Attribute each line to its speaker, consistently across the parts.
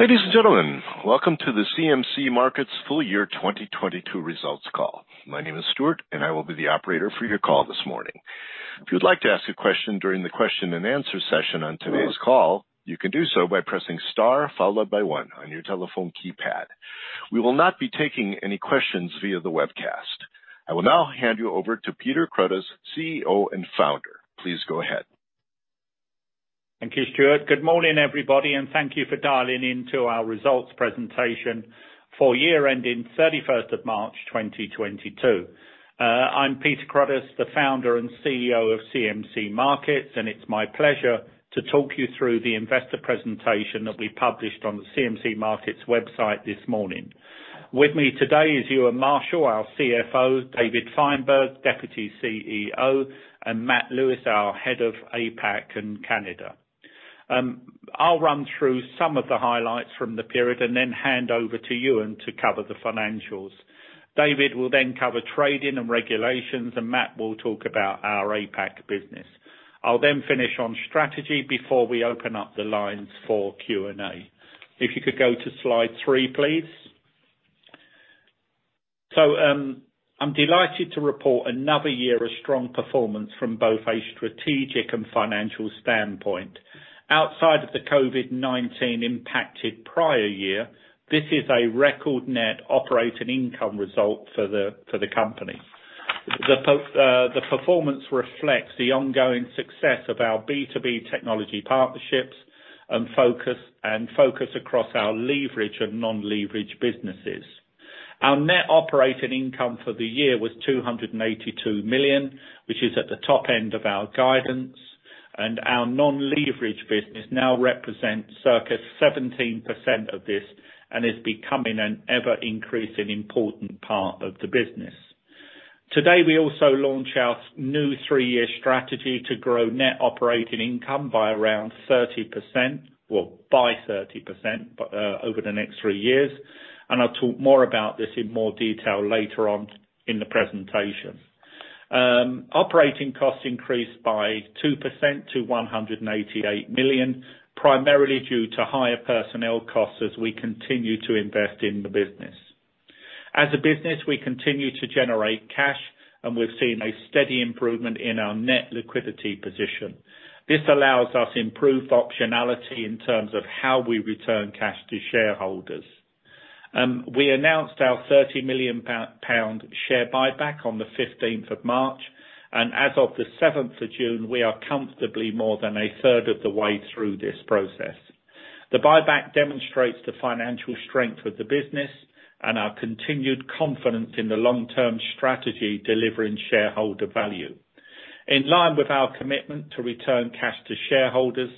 Speaker 1: Ladies and gentlemen, welcome to the CMC Markets full year 2022 results call. My name is Stuart, and I will be the operator for your call this morning. If you'd like to ask a question during the question and answer session on today's call, you can do so by pressing star followed by one on your telephone keypad. We will not be taking any questions via the webcast. I will now hand you over to Peter Cruddas, CEO and founder. Please go ahead.
Speaker 2: Thank you, Stuart. Good morning, everybody, and thank you for dialing in to our results presentation for year ending 31 March 2022. I'm Peter Cruddas, the founder and CEO of CMC Markets, and it's my pleasure to talk you through the investor presentation that we published on the CMC Markets website this morning. With me today is Euan Marshall, our CFO, David Fineberg, Deputy CEO, and Matthew Lewis, our Head of APAC and Canada. I'll run through some of the highlights from the period and then hand over to Euan to cover the financials. David will then cover trading and regulations, and Matt will talk about our APAC business. I'll then finish on strategy before we open up the lines for Q&A. If you could go to slide three, please. I'm delighted to report another year of strong performance from both a strategic and financial standpoint. Outside of the COVID-19 impacted prior year, this is a record net operating income result for the company. The performance reflects the ongoing success of our B2B technology partnerships and focus across our leveraged and non-leveraged businesses. Our net operating income for the year was 282 million, which is at the top end of our guidance, and our non-leveraged business now represents circa 17% of this and is becoming an ever-increasing important part of the business. Today, we also launch our new three-year strategy to grow net operating income by around 30% over the next three years, and I'll talk more about this in more detail later on in the presentation. Operating costs increased by 2% to 188 million, primarily due to higher personnel costs as we continue to invest in the business. As a business, we continue to generate cash, and we've seen a steady improvement in our net liquidity position. This allows us improved optionality in terms of how we return cash to shareholders. We announced our 30 million pound share buyback on the fifteenth of March, and as of the seventh of June, we are comfortably more than a third of the way through this process. The buyback demonstrates the financial strength of the business and our continued confidence in the long-term strategy delivering shareholder value. In line with our commitment to return cash to shareholders,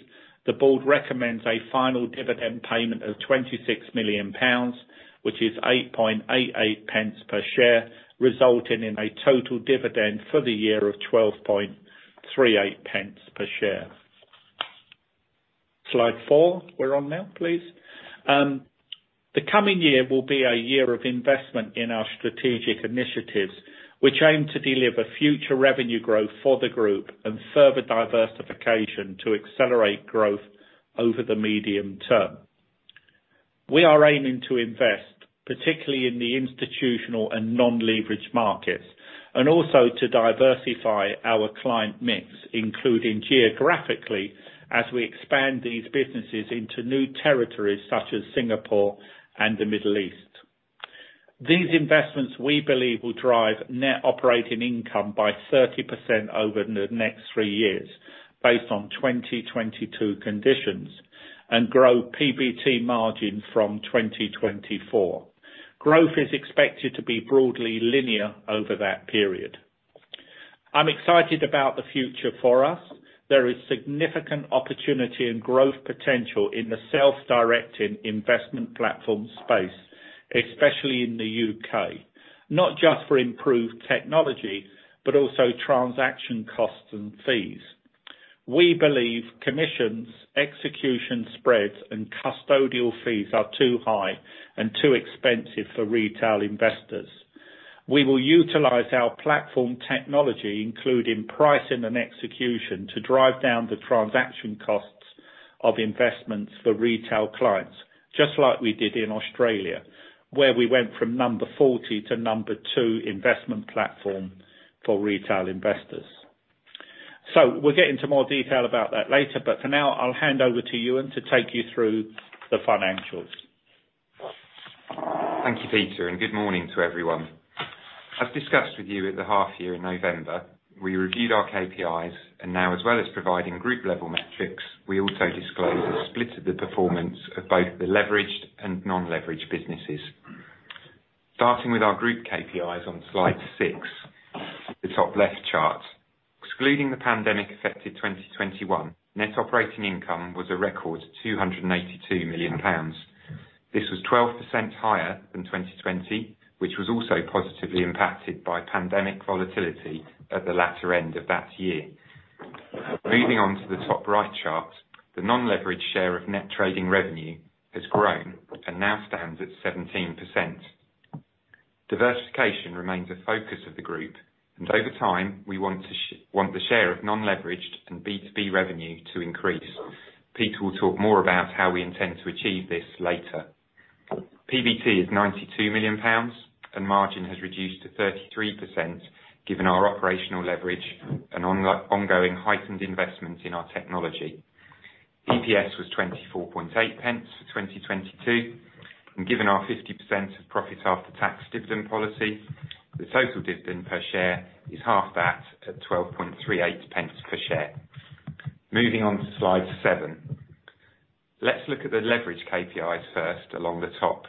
Speaker 2: the board recommends a final dividend payment of 26 million pounds, which is 8.88 pence per share, resulting in a total dividend for the year of 12.38 pence per share. Slide four, we're on now, please. The coming year will be a year of investment in our strategic initiatives, which aim to deliver future revenue growth for the group and further diversification to accelerate growth over the medium term. We are aiming to invest, particularly in the institutional and non-leveraged markets, and also to diversify our client mix, including geographically as we expand these businesses into new territories such as Singapore and the Middle East. These investments, we believe, will drive net operating income by 30% over the next three years, based on 2022 conditions, and grow PBT margin from 2024. Growth is expected to be broadly linear over that period. I'm excited about the future for us. There is significant opportunity and growth potential in the self-directed investment platform space, especially in the U.K., not just for improved technology, but also transaction costs and fees. We believe commissions, execution spreads, and custodial fees are too high and too expensive for retail investors. We will utilize our platform technology, including pricing and execution, to drive down the transaction costs of investments for retail clients, just like we did in Australia, where we went from number 40 to number 2 investment platform for retail investors. We'll get into more detail about that later, but for now, I'll hand over to Euan to take you through the financials.
Speaker 3: Thank you, Peter, and good morning to everyone. As discussed with you at the half year in November, we reviewed our KPIs, and now, as well as providing group-level metrics, we also disclosed a split of the performance of both the leveraged and non-leveraged businesses. Starting with our group KPIs on slide six, the top left chart. Excluding the pandemic-affected 2021, net operating income was a record 282 million pounds. This was 12% higher than 2020, which was also positively impacted by pandemic volatility at the latter end of that year. Moving on to the top right chart, the non-leveraged share of net trading revenue has grown and now stands at 17%. Diversification remains a focus of the group, and over time, we want the share of non-leveraged and B2B revenue to increase.
Speaker 2: Peter will talk more about how we intend to achieve this later. PBT is 92 million pounds, and margin has reduced to 33% given our operational leverage and ongoing heightened investments in our technology. EPS was 24.8 pence for 2022, and given our 50% of profits after tax dividend policy, the total dividend per share is half that at 12.38 pence per share. Moving on to slide seven. Let's look at the leverage KPIs first along the top.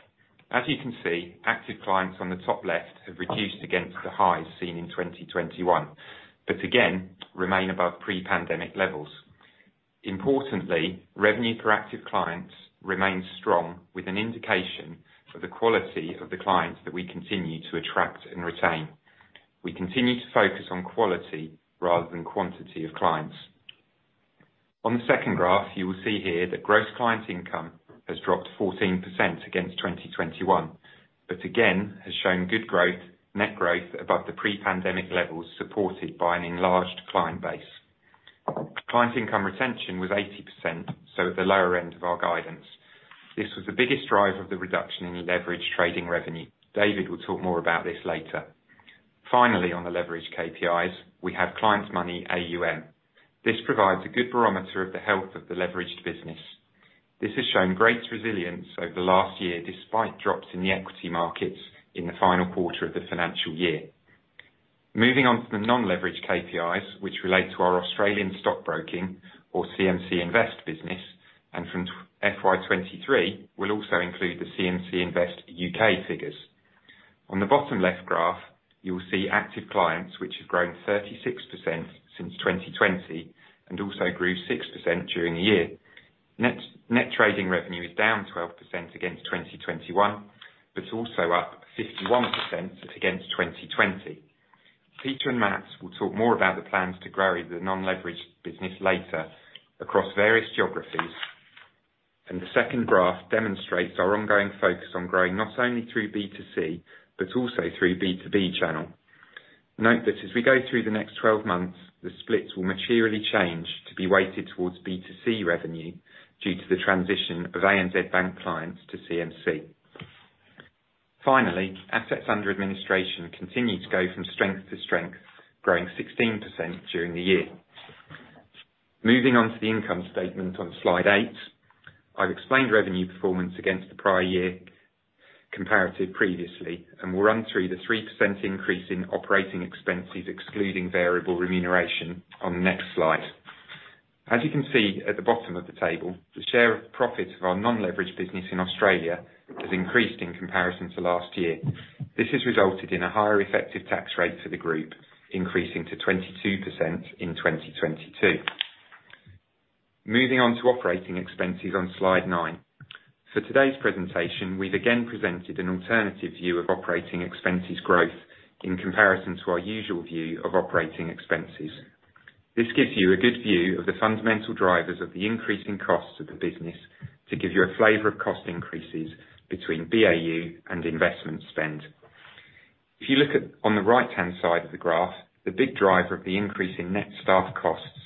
Speaker 2: As you can see, active clients on the top left have reduced against the highs seen in 2021. Again, remain above pre-pandemic levels. Importantly, revenue per active clients remains strong with an indication of the quality of the clients that we continue to attract and retain. We continue to focus on quality rather than quantity of clients.
Speaker 3: On the second graph, you will see here that gross client income has dropped 14% against 2021, but again, has shown good growth, net growth above the pre-pandemic levels, supported by an enlarged client base. Client income retention was 80%, so at the lower end of our guidance. This was the biggest drive of the reduction in leveraged trading revenue. David will talk more about this later. Finally, on the leverage KPIs, we have clients' money AUM. This provides a good barometer of the health of the leveraged business. This has shown great resilience over the last year, despite drops in the equity markets in the final quarter of the financial year. Moving on to the non-leveraged KPIs which relate to our Australian stockbroking or CMC Invest business, and from FY 2023 will also include the CMC Invest UK figures. On the bottom left graph, you will see active clients, which have grown 36% since 2020, and also grew 6% during the year. Net, net trading revenue is down 12% against 2021, but also up 51% against 2020. Peter and Matt will talk more about the plans to grow the non-leveraged business later across various geographies, and the second graph demonstrates our ongoing focus on growing not only through B2C, but also through B2B channel. Note that as we go through the next 12 months, the splits will materially change to be weighted towards B2C revenue due to the transition of ANZ Bank clients to CMC. Finally, assets under administration continue to go from strength to strength, growing 16% during the year. Moving on to the income statement on slide eight. I've explained revenue performance against the prior year comparative previously, and we'll run through the 3% increase in operating expenses, excluding variable remuneration on the next slide. As you can see at the bottom of the table, the share of profit of our non-leveraged business in Australia has increased in comparison to last year. This has resulted in a higher effective tax rate for the group, increasing to 22% in 2022. Moving on to operating expenses on slide nine. For today's presentation, we've again presented an alternative view of operating expenses growth in comparison to our usual view of operating expenses. This gives you a good view of the fundamental drivers of the increasing costs of the business to give you a flavor of cost increases between BAU and investment spend. If you look at on the right-hand side of the graph, the big driver of the increase in net staff costs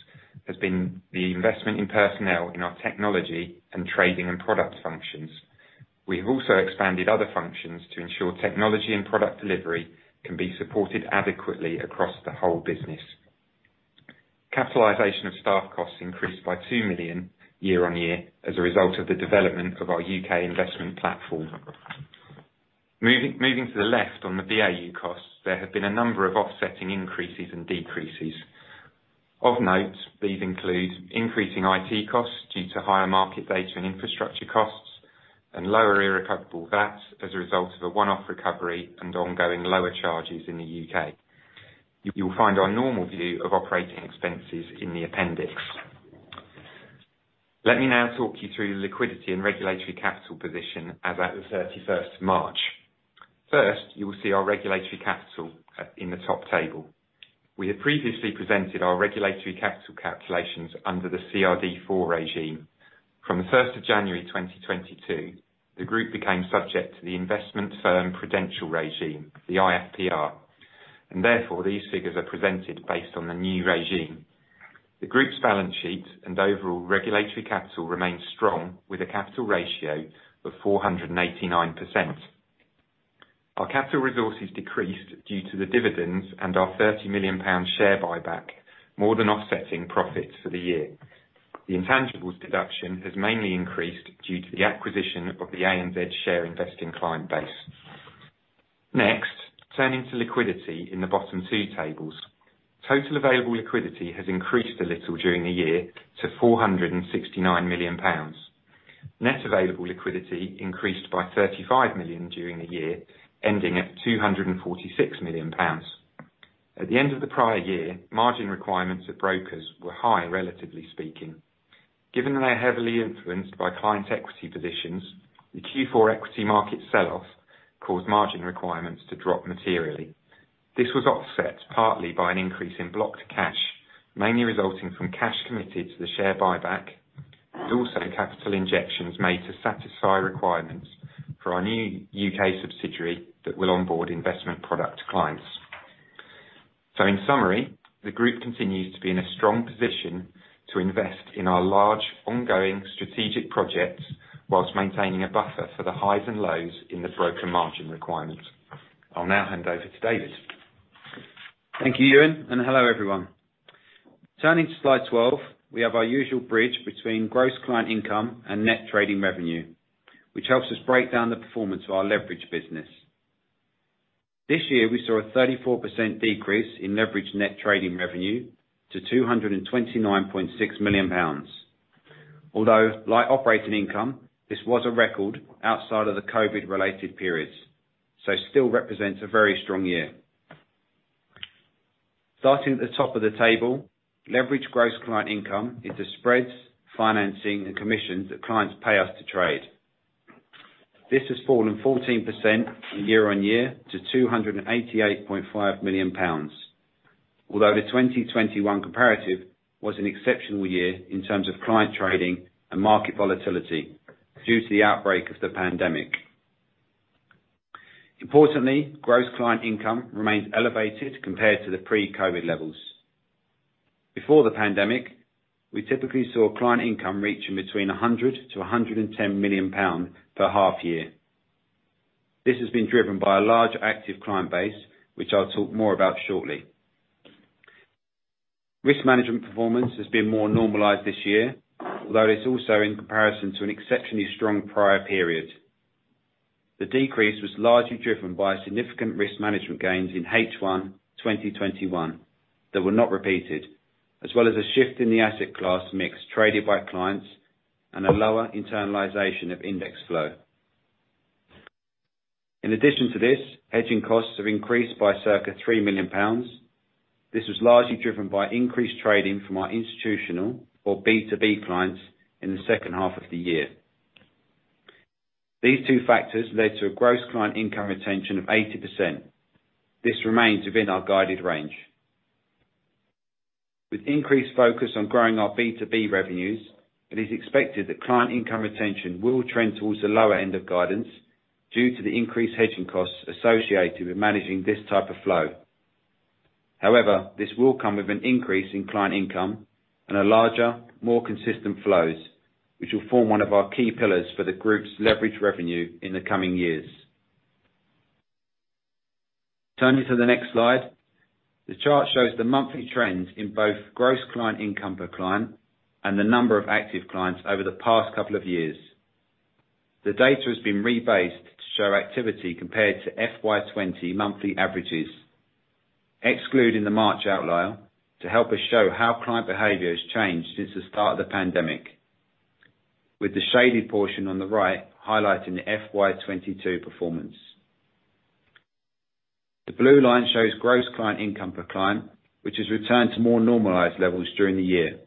Speaker 3: has been the investment in personnel in our technology and trading and product functions. We have also expanded other functions to ensure technology and product delivery can be supported adequately across the whole business. Capitalization of staff costs increased by 2 million year-on-year as a result of the development of our UK investment platform. Moving to the left on the BAU costs, there have been a number of offsetting increases and decreases. Of note, these include increasing IT costs due to higher market data and infrastructure costs and lower irrecoverable VAT as a result of a one-off recovery and ongoing lower charges in the U.K.. You will find our normal view of operating expenses in the appendix. Let me now talk you through the liquidity and regulatory capital position as at the 31st of March. First, you will see our regulatory capital at, in the top table. We had previously presented our regulatory capital calculations under the CRD IV regime. From the 1st January 2022, the group became subject to the investment firm prudential regime, the IFPR, and therefore, these figures are presented based on the new regime. The group's balance sheet and overall regulatory capital remains strong with a capital ratio of 489%. Our capital resources decreased due to the dividends and our 30 million pound share buyback, more than offsetting profits for the year. The intangibles deduction has mainly increased due to the acquisition of the ANZ Share Investing client base. Next, turning to liquidity in the bottom two tables. Total available liquidity has increased a little during the year to 469 million pounds. Net available liquidity increased by 35 million during the year, ending at 246 million pounds. At the end of the prior year, margin requirements of brokers were high, relatively speaking. Given they are heavily influenced by client equity positions, the Q4 equity market sell-off caused margin requirements to drop materially. This was offset partly by an increase in blocked cash, mainly resulting from cash committed to the share buyback and also capital injections made to satisfy requirements for our new UK subsidiary that will onboard investment product clients. In summary, the group continues to be in a strong position to invest in our large ongoing strategic projects while maintaining a buffer for the highs and lows in the broker margin requirement. I'll now hand over to David.
Speaker 4: Thank you, Euan, and hello, everyone. Turning to slide 12, we have our usual bridge between gross client income and net trading revenue, which helps us break down the performance of our leverage business. This year, we saw a 34% decrease in leveraged net trading revenue to 229.6 million pounds. Although, like operating income, this was a record outside of the Covid-related periods, so still represents a very strong year. Starting at the top of the table, leverage gross client income into spreads, financing and commissions that clients pay us to trade. This has fallen 14% year-on-year to 288.5 million pounds. Although the 2021 comparative was an exceptional year in terms of client trading and market volatility due to the outbreak of the pandemic. Importantly, gross client income remains elevated compared to the pre-Covid levels. Before the pandemic, we typically saw client income reaching between 100 million-110 million pounds per half year. This has been driven by a large active client base, which I'll talk more about shortly. Risk management performance has been more normalized this year, although it's also in comparison to an exceptionally strong prior period. The decrease was largely driven by significant risk management gains in H1 2021 that were not repeated, as well as a shift in the asset class mix traded by clients and a lower internalization of index flow. In addition to this, hedging costs have increased by circa 3 million pounds. This was largely driven by increased trading from our institutional or B2B clients in the second half of the year. These two factors led to a gross client income retention of 80%. This remains within our guided range. With increased focus on growing our B2B revenues, it is expected that client income retention will trend towards the lower end of guidance due to the increased hedging costs associated with managing this type of flow. However, this will come with an increase in client income and a larger, more consistent flows, which will form one of our key pillars for the group's leverage revenue in the coming years. Turning to the next slide, the chart shows the monthly trend in both gross client income per client and the number of active clients over the past couple of years. The data has been rebased to show activity compared to FY 2020 monthly averages, excluding the March outlier to help us show how client behavior has changed since the start of the pandemic, with the shaded portion on the right highlighting the FY 2022 performance. The blue line shows gross client income per client, which has returned to more normalized levels during the year.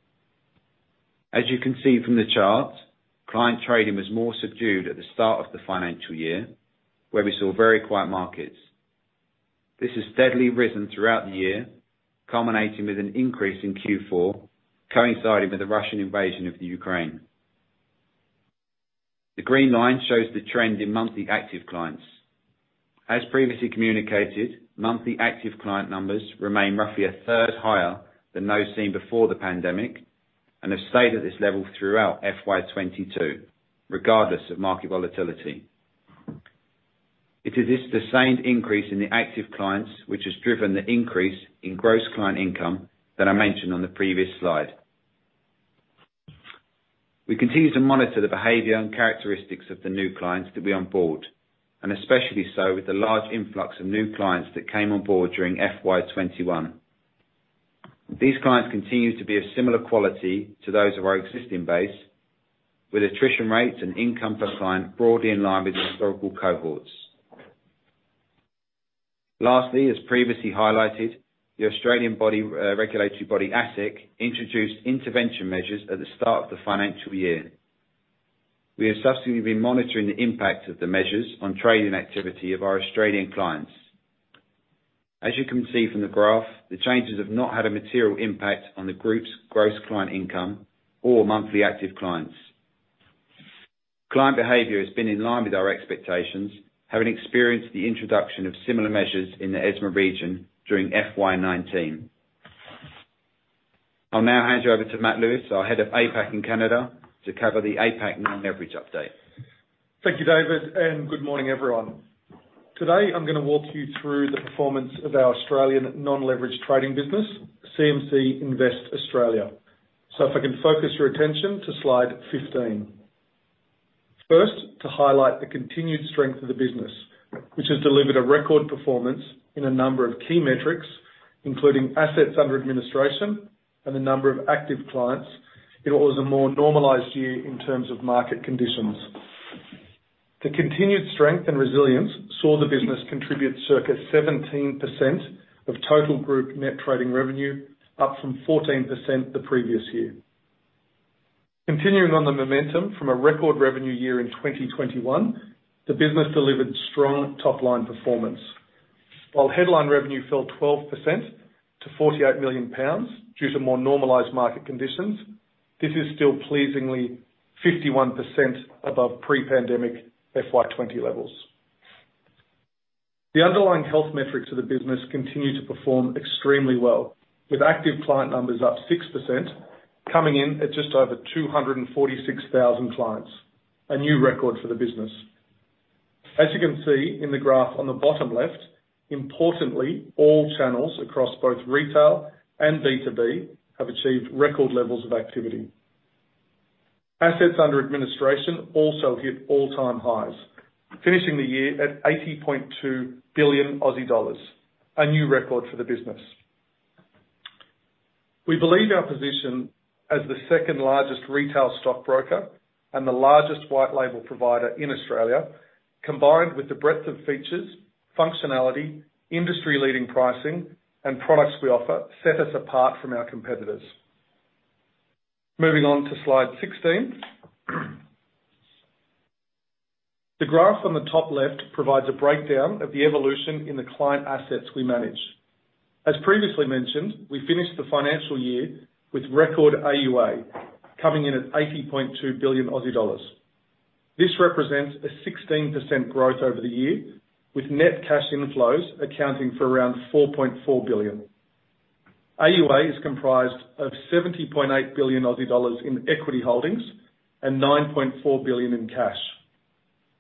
Speaker 4: As you can see from the chart, client trading was more subdued at the start of the financial year, where we saw very quiet markets. This has steadily risen throughout the year, culminating with an increase in Q4, coinciding with the Russian invasion of the Ukraine. The green line shows the trend in monthly active clients. As previously communicated, monthly active client numbers remain roughly a third higher than those seen before the pandemic and have stayed at this level throughout FY 2022, regardless of market volatility. It is the same increase in the active clients, which has driven the increase in gross client income that I mentioned on the previous slide. We continue to monitor the behavior and characteristics of the new clients that we onboard, and especially so with the large influx of new clients that came on board during FY 2021. These clients continue to be of similar quality to those of our existing base, with attrition rates and income per client broadly in line with historical cohorts. Lastly, as previously highlighted, the Australian body, regulatory body, ASIC, introduced intervention measures at the start of the financial year. We have subsequently been monitoring the impact of the measures on trading activity of our Australian clients. As you can see from the graph, the changes have not had a material impact on the group's gross client income or monthly active clients. Client behavior has been in line with our expectations, having experienced the introduction of similar measures in the ESMA region during FY 2019. I'll now hand you over to Matthew Lewis, our Head of APAC and Canada, to cover the APAC non-leverage update.
Speaker 5: Thank you, David, and good morning, everyone. Today, I'm gonna walk you through the performance of our Australian non-leverage trading business, CMC Invest Australia. If I can focus your attention to slide 15. First, to highlight the continued strength of the business, which has delivered a record performance in a number of key metrics, including assets under administration and the number of active clients. It was a more normalized year in terms of market conditions. The continued strength and resilience saw the business contribute circa 17% of total group net trading revenue, up from 14% the previous year. Continuing on the momentum from a record revenue year in 2021, the business delivered strong top-line performance. While headline revenue fell 12% to 48 million pounds due to more normalized market conditions, this is still pleasingly 51% above pre-pandemic FY 2020 levels. The underlying health metrics of the business continue to perform extremely well, with active client numbers up 6%, coming in at just over 246,000 clients, a new record for the business. As you can see in the graph on the bottom left, importantly, all channels across both retail and B2B have achieved record levels of activity. Assets under administration also hit all-time highs, finishing the year at 80.2 billion Aussie dollars, a new record for the business. We believe our position as the second largest retail stock broker and the largest white label provider in Australia, combined with the breadth of features, functionality, industry-leading pricing, and products we offer, set us apart from our competitors. Moving on to slide 16. The graph on the top left provides a breakdown of the evolution in the client assets we manage. As previously mentioned, we finished the financial year with record AUA coming in at 80.2 billion Aussie dollars. This represents a 16% growth over the year, with net cash inflows accounting for around 4.4 billion. AUA is comprised of 70.8 billion Aussie dollars in equity holdings and 9.4 billion in cash.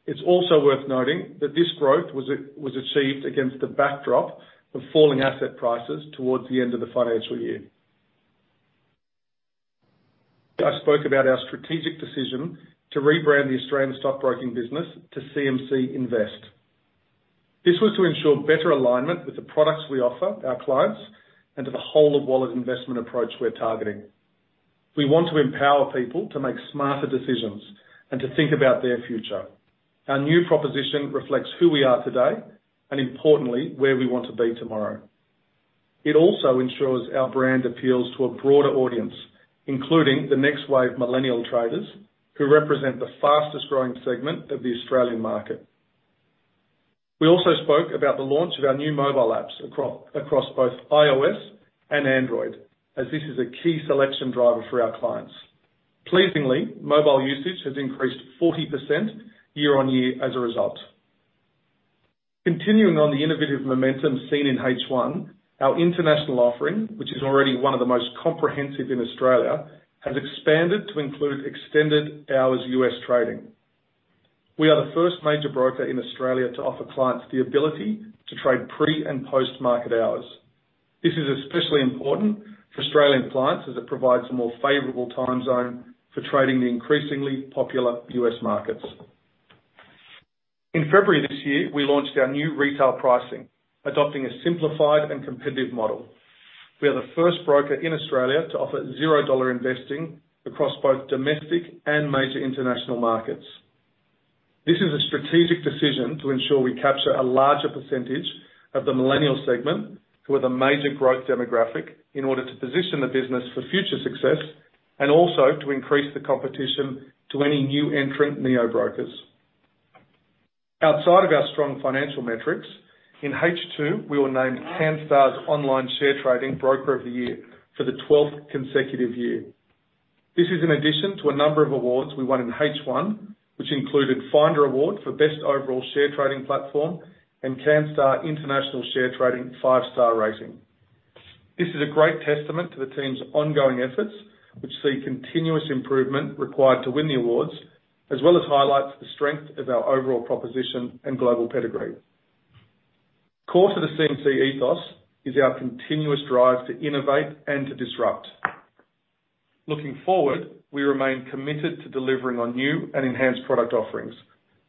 Speaker 5: It's also worth noting that this growth was achieved against the backdrop of falling asset prices towards the end of the financial year. I spoke about our strategic decision to rebrand the Australian stockbroking business to CMC Invest. This was to ensure better alignment with the products we offer our clients and to the whole-of-wallet investment approach we're targeting. We want to empower people to make smarter decisions and to think about their future. Our new proposition reflects who we are today and importantly, where we want to be tomorrow. It also ensures our brand appeals to a broader audience, including the next wave millennial traders who represent the fastest growing segment of the Australian market. We also spoke about the launch of our new mobile apps across both iOS and Android as this is a key selection driver for our clients. Pleasingly, mobile usage has increased 40% year-on-year as a result. Continuing on the innovative momentum seen in H1, our international offering, which is already one of the most comprehensive in Australia, has expanded to include extended hours US trading. We are the first major broker in Australia to offer clients the ability to trade pre- and post-market hours. This is especially important for Australian clients as it provides a more favorable time zone for trading the increasingly popular US markets. In February this year, we launched our new retail pricing, adopting a simplified and competitive model. We are the first broker in Australia to offer zero-dollar investing across both domestic and major international markets. This is a strategic decision to ensure we capture a larger percentage of the millennial segment, who are the major growth demographic, in order to position the business for future success, and also to increase the competition to any new entrant neo brokers. Outside of our strong financial metrics, in H2, we were named Canstar's Online Share Trading Broker of the Year for the 12th consecutive year. This is in addition to a number of awards we won in H1, which included Finder Award for best overall share trading platform and Canstar International Share Trading five-star rating. This is a great testament to the team's ongoing efforts, which see continuous improvement required to win the awards, as well as highlights the strength of our overall proposition and global pedigree. Core to the CMC ethos is our continuous drive to innovate and to disrupt. Looking forward, we remain committed to delivering on new and enhanced product offerings,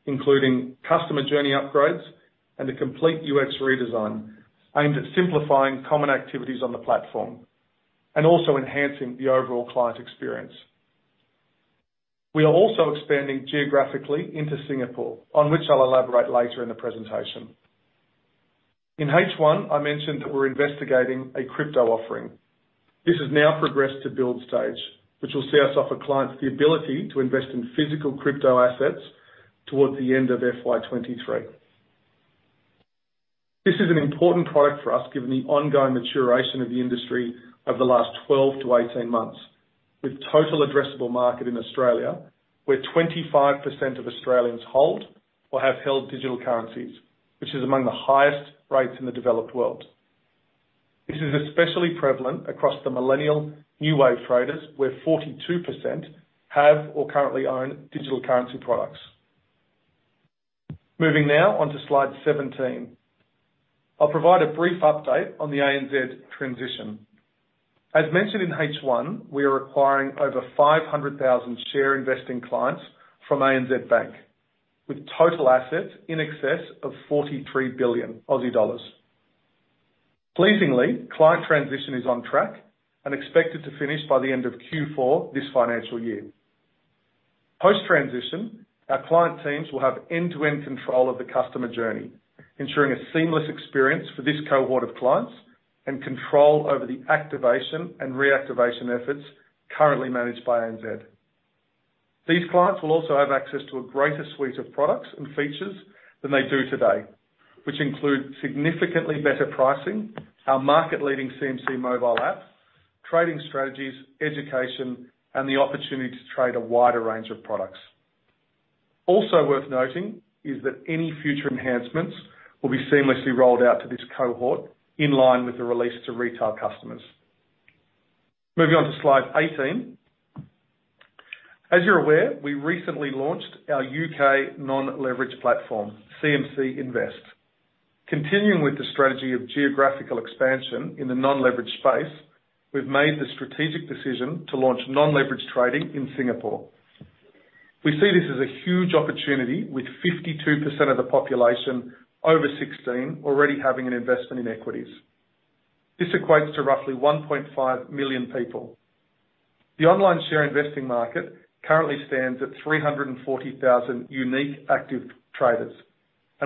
Speaker 5: including customer journey upgrades and a complete UX redesign aimed at simplifying common activities on the platform and also enhancing the overall client experience. We are also expanding geographically into Singapore, on which I'll elaborate later in the presentation. In H1, I mentioned that we're investigating a crypto offering. This has now progressed to build stage, which will see us offer clients the ability to invest in physical crypto assets towards the end of FY 2023. This is an important product for us given the ongoing maturation of the industry over the last 12-18 months, with total addressable market in Australia, where 25% of Australians hold or have held digital currencies, which is among the highest rates in the developed world. This is especially prevalent across the millennial new wave traders, where 42% have or currently own digital currency products. Moving now on to slide 17. I'll provide a brief update on the ANZ transition. As mentioned in H1, we are acquiring over 500,000 share investing clients from ANZ Bank, with total assets in excess of 43 billion Aussie dollars. Pleasingly, client transition is on track and expected to finish by the end of Q4 this financial year. Post-transition, our client teams will have end-to-end control of the customer journey, ensuring a seamless experience for this cohort of clients and control over the activation and reactivation efforts currently managed by ANZ. These clients will also have access to a greater suite of products and features than they do today, which include significantly better pricing, our market-leading CMC mobile app, trading strategies, education, and the opportunity to trade a wider range of products. Also worth noting is that any future enhancements will be seamlessly rolled out to this cohort in line with the release to retail customers. Moving on to slide 18. As you're aware, we recently launched our UK non-leveraged platform, CMC Invest. Continuing with the strategy of geographical expansion in the non-leveraged space, we've made the strategic decision to launch non-leveraged trading in Singapore. We see this as a huge opportunity with 52% of the population over 16 already having an investment in equities. This equates to roughly 1.5 million people. The online share investing market currently stands at 340,000 unique active traders.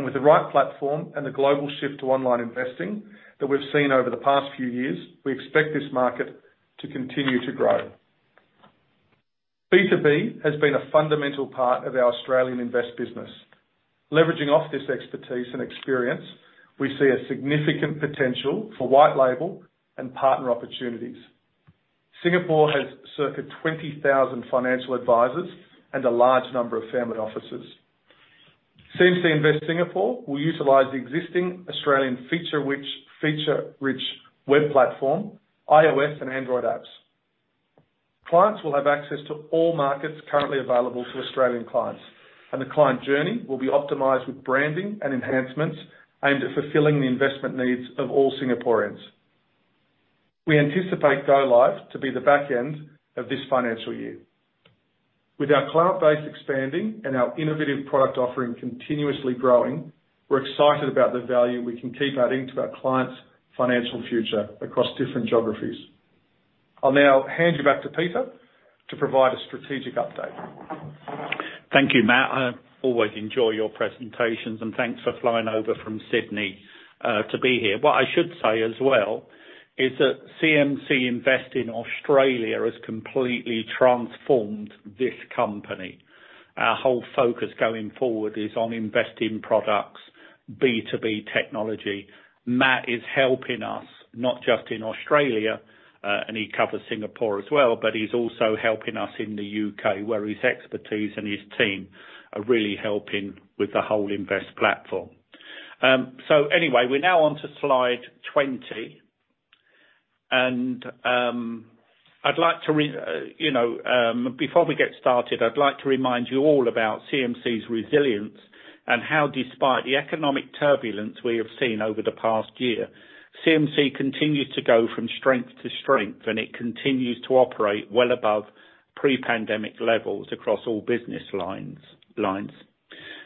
Speaker 5: With the right platform and the global shift to online investing that we've seen over the past few years, we expect this market to continue to grow. B2B has been a fundamental part of our Australian Invest business. Leveraging off this expertise and experience, we see a significant potential for white-label and partner opportunities. Singapore has circa 20,000 financial advisors and a large number of family offices. CMC Invest Singapore will utilize the existing Australian feature-rich web platform, iOS and Android apps. Clients will have access to all markets currently available to Australian clients, and the client journey will be optimized with branding and enhancements aimed at fulfilling the investment needs of all Singaporeans. We anticipate go live to be the back end of this financial year. With our client base expanding and our innovative product offering continuously growing, we're excited about the value we can keep adding to our clients' financial future across different geographies. I'll now hand you back to Peter to provide a strategic update.
Speaker 2: Thank you, Matthew. I always enjoy your presentations, and thanks for flying over from Sydney to be here. What I should say as well is that CMC Invest in Australia has completely transformed this company. Our whole focus going forward is on investing products, B2B technology. Matt is helping us, not just in Australia, and he covers Singapore as well, but he's also helping us in the U.K., where his expertise and his team are really helping with the whole Invest platform. We're now onto slide 20, and before we get started, I'd like to remind you all about CMC's resilience and how, despite the economic turbulence we have seen over the past year, CMC continues to go from strength to strength, and it continues to operate well above pre-pandemic levels across all business lines.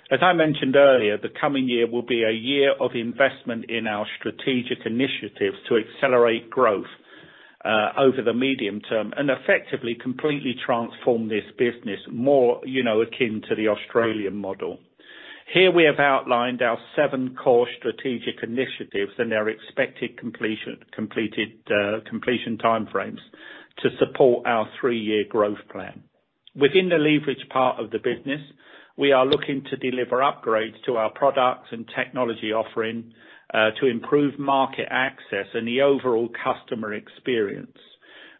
Speaker 2: As I mentioned earlier, the coming year will be a year of investment in our strategic initiatives to accelerate growth over the medium term and effectively completely transform this business more, you know, akin to the Australian model. Here, we have outlined our seven core strategic initiatives and their expected completion time frames to support our three-year growth plan. Within the leveraged part of the business, we are looking to deliver upgrades to our products and technology offering to improve market access and the overall customer experience.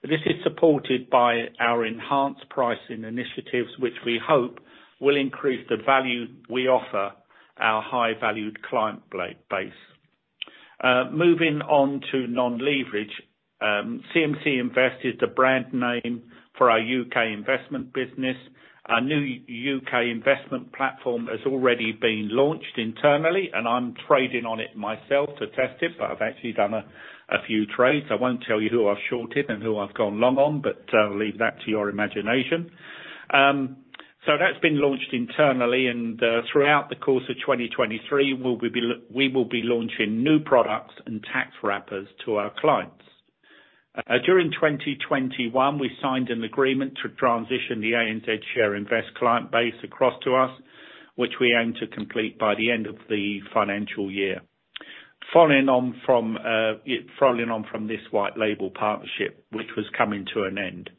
Speaker 2: This is supported by our enhanced pricing initiatives, which we hope will increase the value we offer our high-valued client base. Moving on to non-leveraged, CMC Invest is the brand name for our UK investment business. Our new UK investment platform has already been launched internally, and I'm trading on it myself to test it, but I've actually done a few trades. I won't tell you who I've shorted and who I've gone long on, but I'll leave that to your imagination. That's been launched internally and throughout the course of 2023, we will be launching new products and tax wrappers to our clients. During 2021, we signed an agreement to transition the ANZ Share Investing client base across to us, which we aim to complete by the end of the financial year. Following on from this white label partnership, which was coming to an end.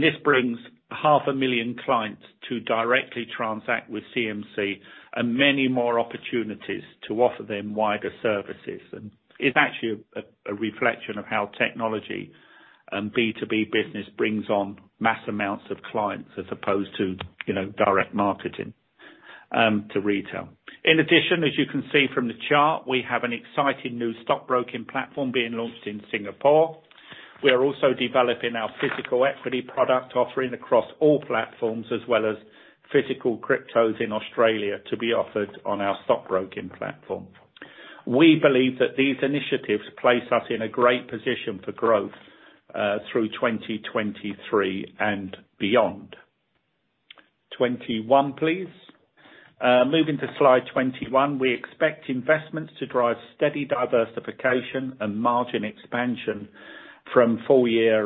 Speaker 2: This brings half a million clients to directly transact with CMC and many more opportunities to offer them wider services. It's actually a reflection of how technology and B2B business brings on mass amounts of clients as opposed to, you know, direct marketing to retail. In addition, as you can see from the chart, we have an exciting new stockbroking platform being launched in Singapore. We are also developing our physical equity product offering across all platforms, as well as physical cryptos in Australia to be offered on our stockbroking platform. We believe that these initiatives place us in a great position for growth through 2023 and beyond. 21, please. Moving to slide 21. We expect investments to drive steady diversification and margin expansion from full year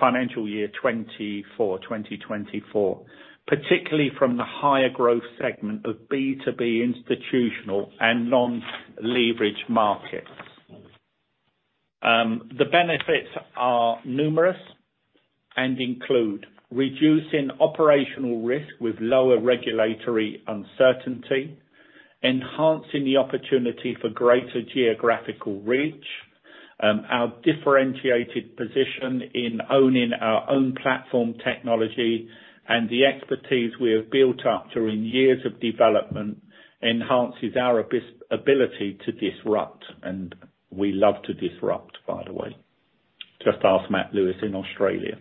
Speaker 2: financial year 2024, particularly from the higher growth segment of B2B institutional and non-leveraged markets. The benefits are numerous and include reducing operational risk with lower regulatory uncertainty, enhancing the opportunity for greater geographical reach, our differentiated position in owning our own platform technology, and the expertise we have built up during years of development enhances our ability to disrupt, and we love to disrupt, by the way. Just ask Matthew Lewis in Australia.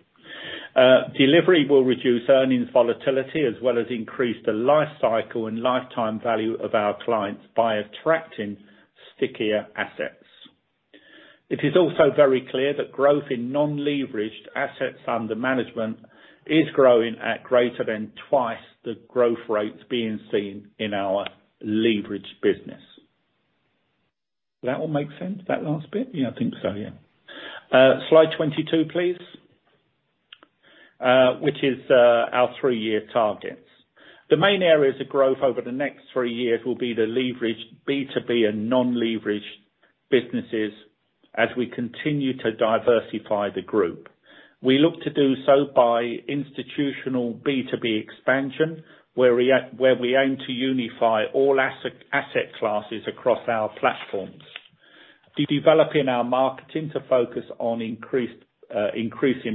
Speaker 2: Delivery will reduce earnings volatility as well as increase the life cycle and lifetime value of our clients by attracting stickier assets. It is also very clear that growth in non-leveraged assets under management is growing at greater than twice the growth rates being seen in our leveraged business. Did that all make sense, that last bit? Yeah, I think so, yeah. Slide 22, please. Which is our three-year targets. The main areas of growth over the next three years will be the leveraged B2B and non-leveraged businesses as we continue to diversify the group. We look to do so by institutional B2B expansion, where we aim to unify all asset classes across our platforms. Developing our marketing to focus on increasing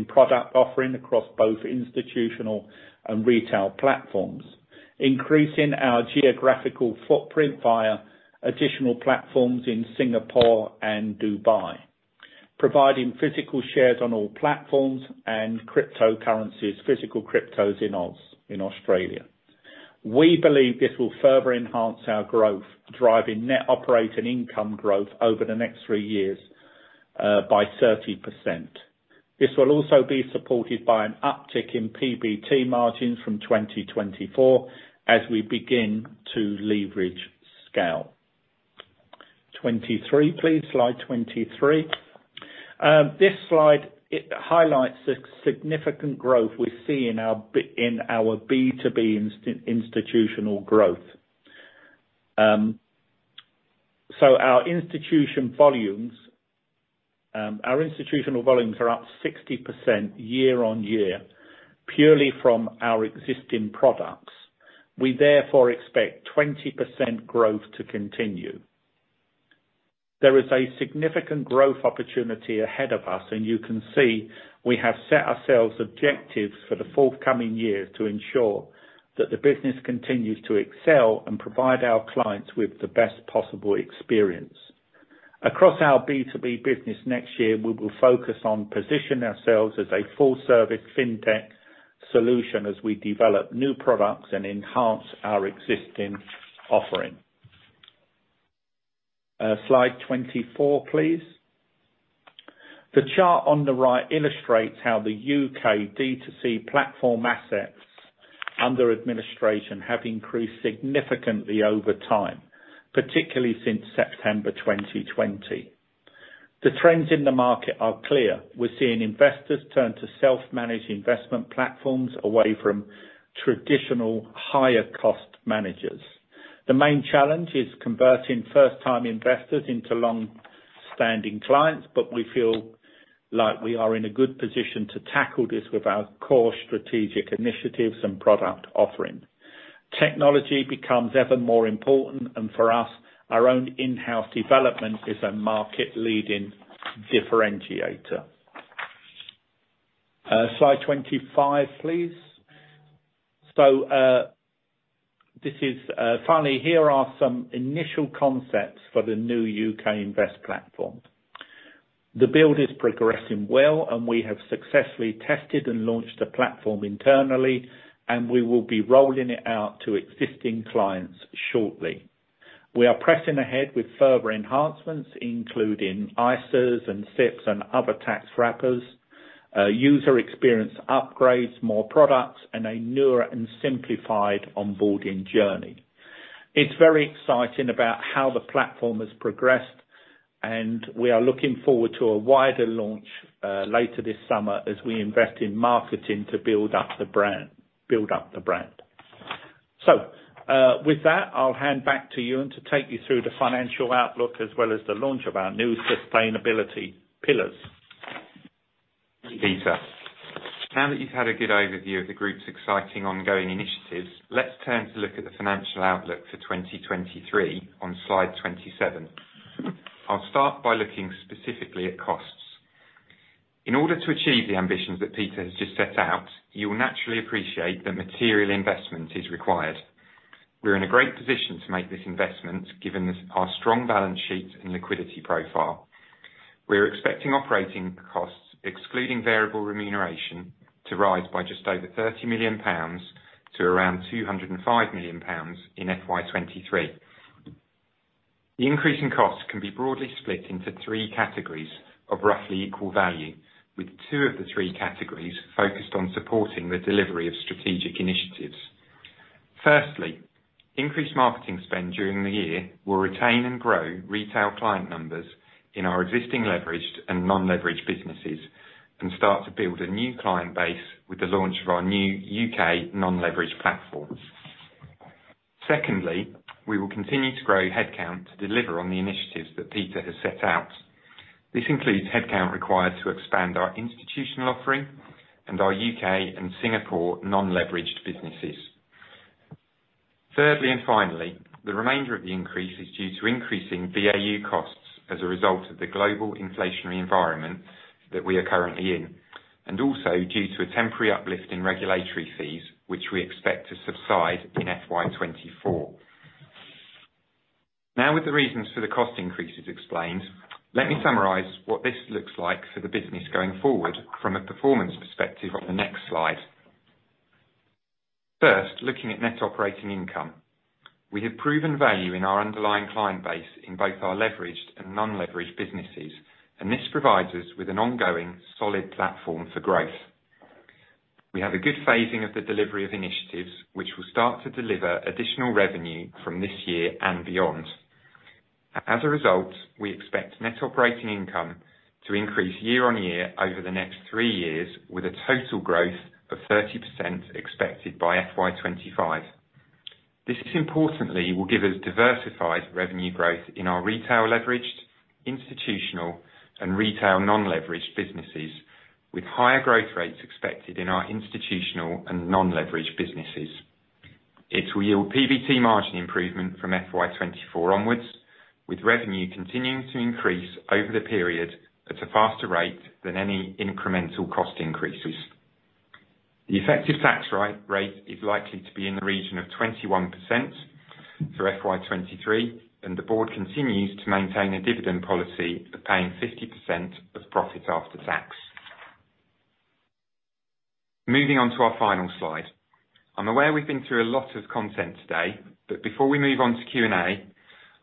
Speaker 2: product offering across both institutional and retail platforms. Increasing our geographical footprint via additional platforms in Singapore and Dubai. Providing physical shares on all platforms and cryptocurrencies, physical cryptos in Oz, in Australia. We believe this will further enhance our growth, driving net operating income growth over the next three years by 30%. This will also be supported by an uptick in PBT margins from 2024 as we begin to leverage scale. 23, please slide 23. This slide highlights the significant growth we see in our B2B institutional growth. Our institutional volumes are up 60% year-on-year, purely from our existing products. We therefore expect 20% growth to continue. There is a significant growth opportunity ahead of us, and you can see we have set ourselves objectives for the forthcoming years to ensure that the business continues to excel and provide our clients with the best possible experience. Across our B2B business next year, we will focus on positioning ourselves as a full-service fintech solution as we develop new products and enhance our existing offering. Slide 24, please. The chart on the right illustrates how the UK D2C platform assets under administration have increased significantly over time, particularly since September 2020. The trends in the market are clear. We're seeing investors turn to self-managed investment platforms away from traditional higher cost managers. The main challenge is converting first-time investors into longstanding clients, but we feel like we are in a good position to tackle this with our core strategic initiatives and product offering. Technology becomes ever more important, and for us, our own in-house development is a market leading differentiator. Slide 25, please. Finally, here are some initial concepts for the new CMC Invest platform. The build is progressing well, and we have successfully tested and launched the platform internally, and we will be rolling it out to existing clients shortly. We are pressing ahead with further enhancements, including ISAs and SIPPs and other tax wrappers, user experience upgrades, more products, and a newer and simplified onboarding journey. It's very exciting about how the platform has progressed, and we are looking forward to a wider launch later this summer as we invest in marketing to build up the brand. With that, I'll hand back to Euan to take you through the financial outlook, as well as the launch of our new sustainability pillars.
Speaker 3: Thank you, Peter. Now that you've had a good overview of the group's exciting ongoing initiatives, let's turn to look at the financial outlook for 2023 on slide 27. I'll start by looking specifically at costs. In order to achieve the ambitions that Peter has just set out, you will naturally appreciate that material investment is required. We're in a great position to make this investment given this, our strong balance sheet and liquidity profile. We're expecting operating costs, excluding variable remuneration, to rise by just over 30 million pounds to around 205 million pounds in FY 2023. The increase in costs can be broadly split into three categories of roughly equal value, with two of the three categories focused on supporting the delivery of strategic initiatives. Firstly, increased marketing spend during the year will retain and grow retail client numbers in our existing leveraged and non-leveraged businesses and start to build a new client base with the launch of our new UK non-leveraged platform. Secondly, we will continue to grow headcount to deliver on the initiatives that Peter has set out. This includes headcount required to expand our institutional offering and our U.K. and Singapore non-leveraged businesses. Thirdly and finally, the remainder of the increase is due to increasing BAU costs as a result of the global inflationary environment that we are currently in, and also due to a temporary uplift in regulatory fees, which we expect to subside in FY 2024. Now, with the reasons for the cost increases explained, let me summarize what this looks like for the business going forward from a performance perspective on the next slide. First, looking at net operating income. We have proven value in our underlying client base in both our leveraged and non-leveraged businesses, and this provides us with an ongoing solid platform for growth. We have a good phasing of the delivery of initiatives, which will start to deliver additional revenue from this year and beyond. As a result, we expect net operating income to increase year-on-year over the next three years with a total growth of 30% expected by FY 2025. This importantly will give us diversified revenue growth in our retail leveraged, institutional and retail non-leveraged businesses with higher growth rates expected in our institutional and non-leveraged businesses. It will yield PBT margin improvement from FY 2024 onwards, with revenue continuing to increase over the period at a faster rate than any incremental cost increases. The effective tax rate is likely to be in the region of 21% for FY 2023, and the board continues to maintain a dividend policy of paying 50% of profit after tax. Moving on to our final slide. I'm aware we've been through a lot of content today, but before we move on to Q&A,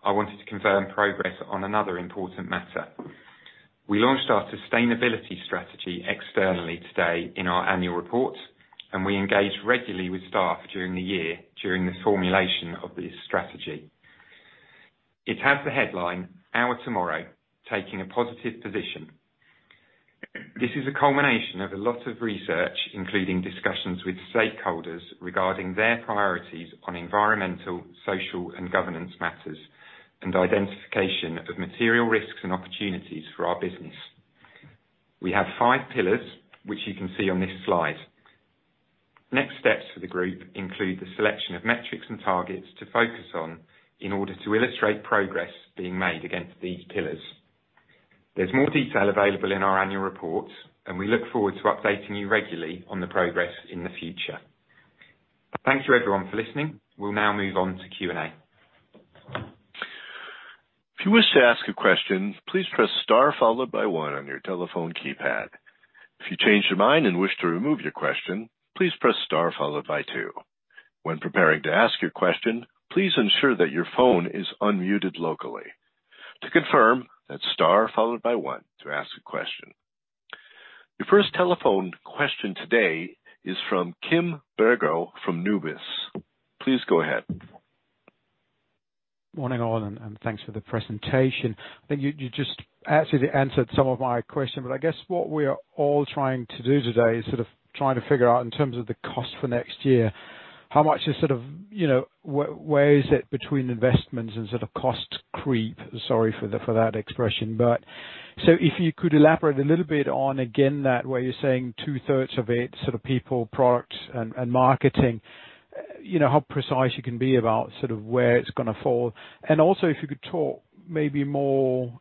Speaker 3: I wanted to confirm progress on another important matter. We launched our sustainability strategy externally today in our annual report, and we engaged regularly with staff during the year during the formulation of this strategy. It has the headline, "Our Tomorrow: taking a positive position." This is a culmination of a lot of research, including discussions with stakeholders regarding their priorities on environmental, social, and governance matters, and identification of material risks and opportunities for our business. We have five pillars, which you can see on this slide. Next steps for the group include the selection of metrics and targets to focus on in order to illustrate progress being made against these pillars. There's more detail available in our annual report, and we look forward to updating you regularly on the progress in the future. Thank you, everyone, for listening. We'll now move on to Q&A.
Speaker 1: If you wish to ask a question, please press star followed by one on your telephone keypad. If you change your mind and wish to remove your question, please press star followed by two. When preparing to ask your question, please ensure that your phone is unmuted locally. To confirm, that's star followed by one to ask a question. Your first telephone question today is from Kim Bergoe from Numis. Please go ahead.
Speaker 6: Morning all, and thanks for the presentation. I think you just actually answered some of my question, but I guess what we are all trying to do today is sort of trying to figure out in terms of the cost for next year, how much is sort of, you know, where is it between investments and sort of cost creep? Sorry for that expression, but so if you could elaborate a little bit on again that where you're saying two-thirds of it, sort of people, product and marketing, you know, how precise you can be about sort of where it's gonna fall. Also if you could talk maybe more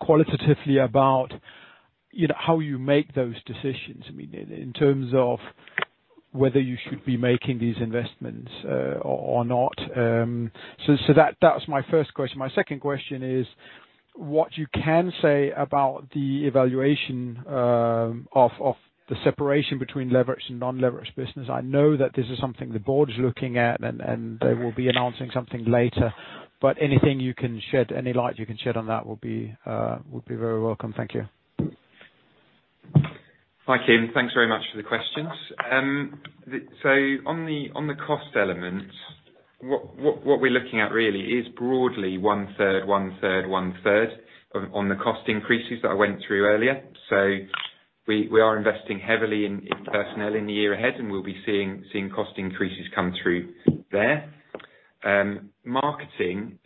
Speaker 6: qualitatively about, you know, how you make those decisions. I mean, in terms of whether you should be making these investments, or not. That was my first question. My second question is what you can say about the evaluation of the separation between leveraged and non-leveraged business. I know that this is something the board is looking at and they will be announcing something later, but anything you can shed, any light you can shed on that will be very welcome. Thank you.
Speaker 3: Hi, Kim. Thanks very much for the questions. On the cost element, what we're looking at really is broadly one-third on the cost increases that I went through earlier. We are investing heavily in personnel in the year ahead, and we'll be seeing cost increases come through there. Marketing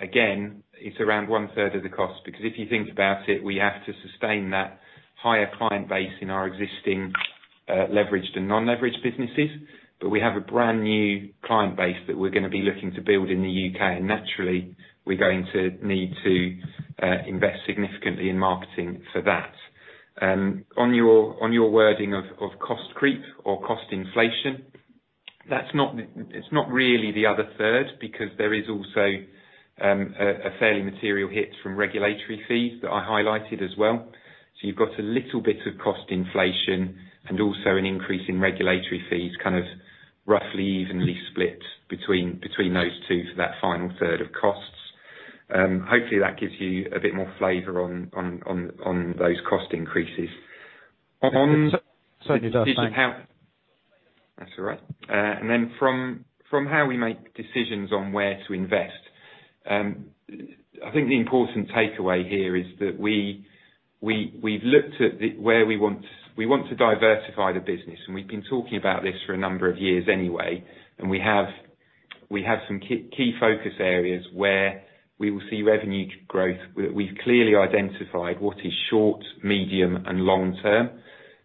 Speaker 3: again is around one-third of the cost because if you think about it, we have to sustain that higher client base in our existing leveraged and non-leveraged businesses. We have a brand new client base that we're gonna be looking to build in the U.K., and naturally we're going to need to invest significantly in marketing for that. On your wording of cost creep or cost inflation, it's not really the other third because there is also a fairly material hit from regulatory fees that I highlighted as well. You've got a little bit of cost inflation and also an increase in regulatory fees kind of roughly evenly split between those two for that final third of costs. Hopefully that gives you a bit more flavor on those cost increases.
Speaker 6: Sorry to interrupt.
Speaker 3: That's all right. From how we make decisions on where to invest, I think the important takeaway here is that we've looked at where we want to diversify the business, and we've been talking about this for a number of years anyway. We have some key focus areas where we will see revenue growth. We've clearly identified what is short, medium, and long term.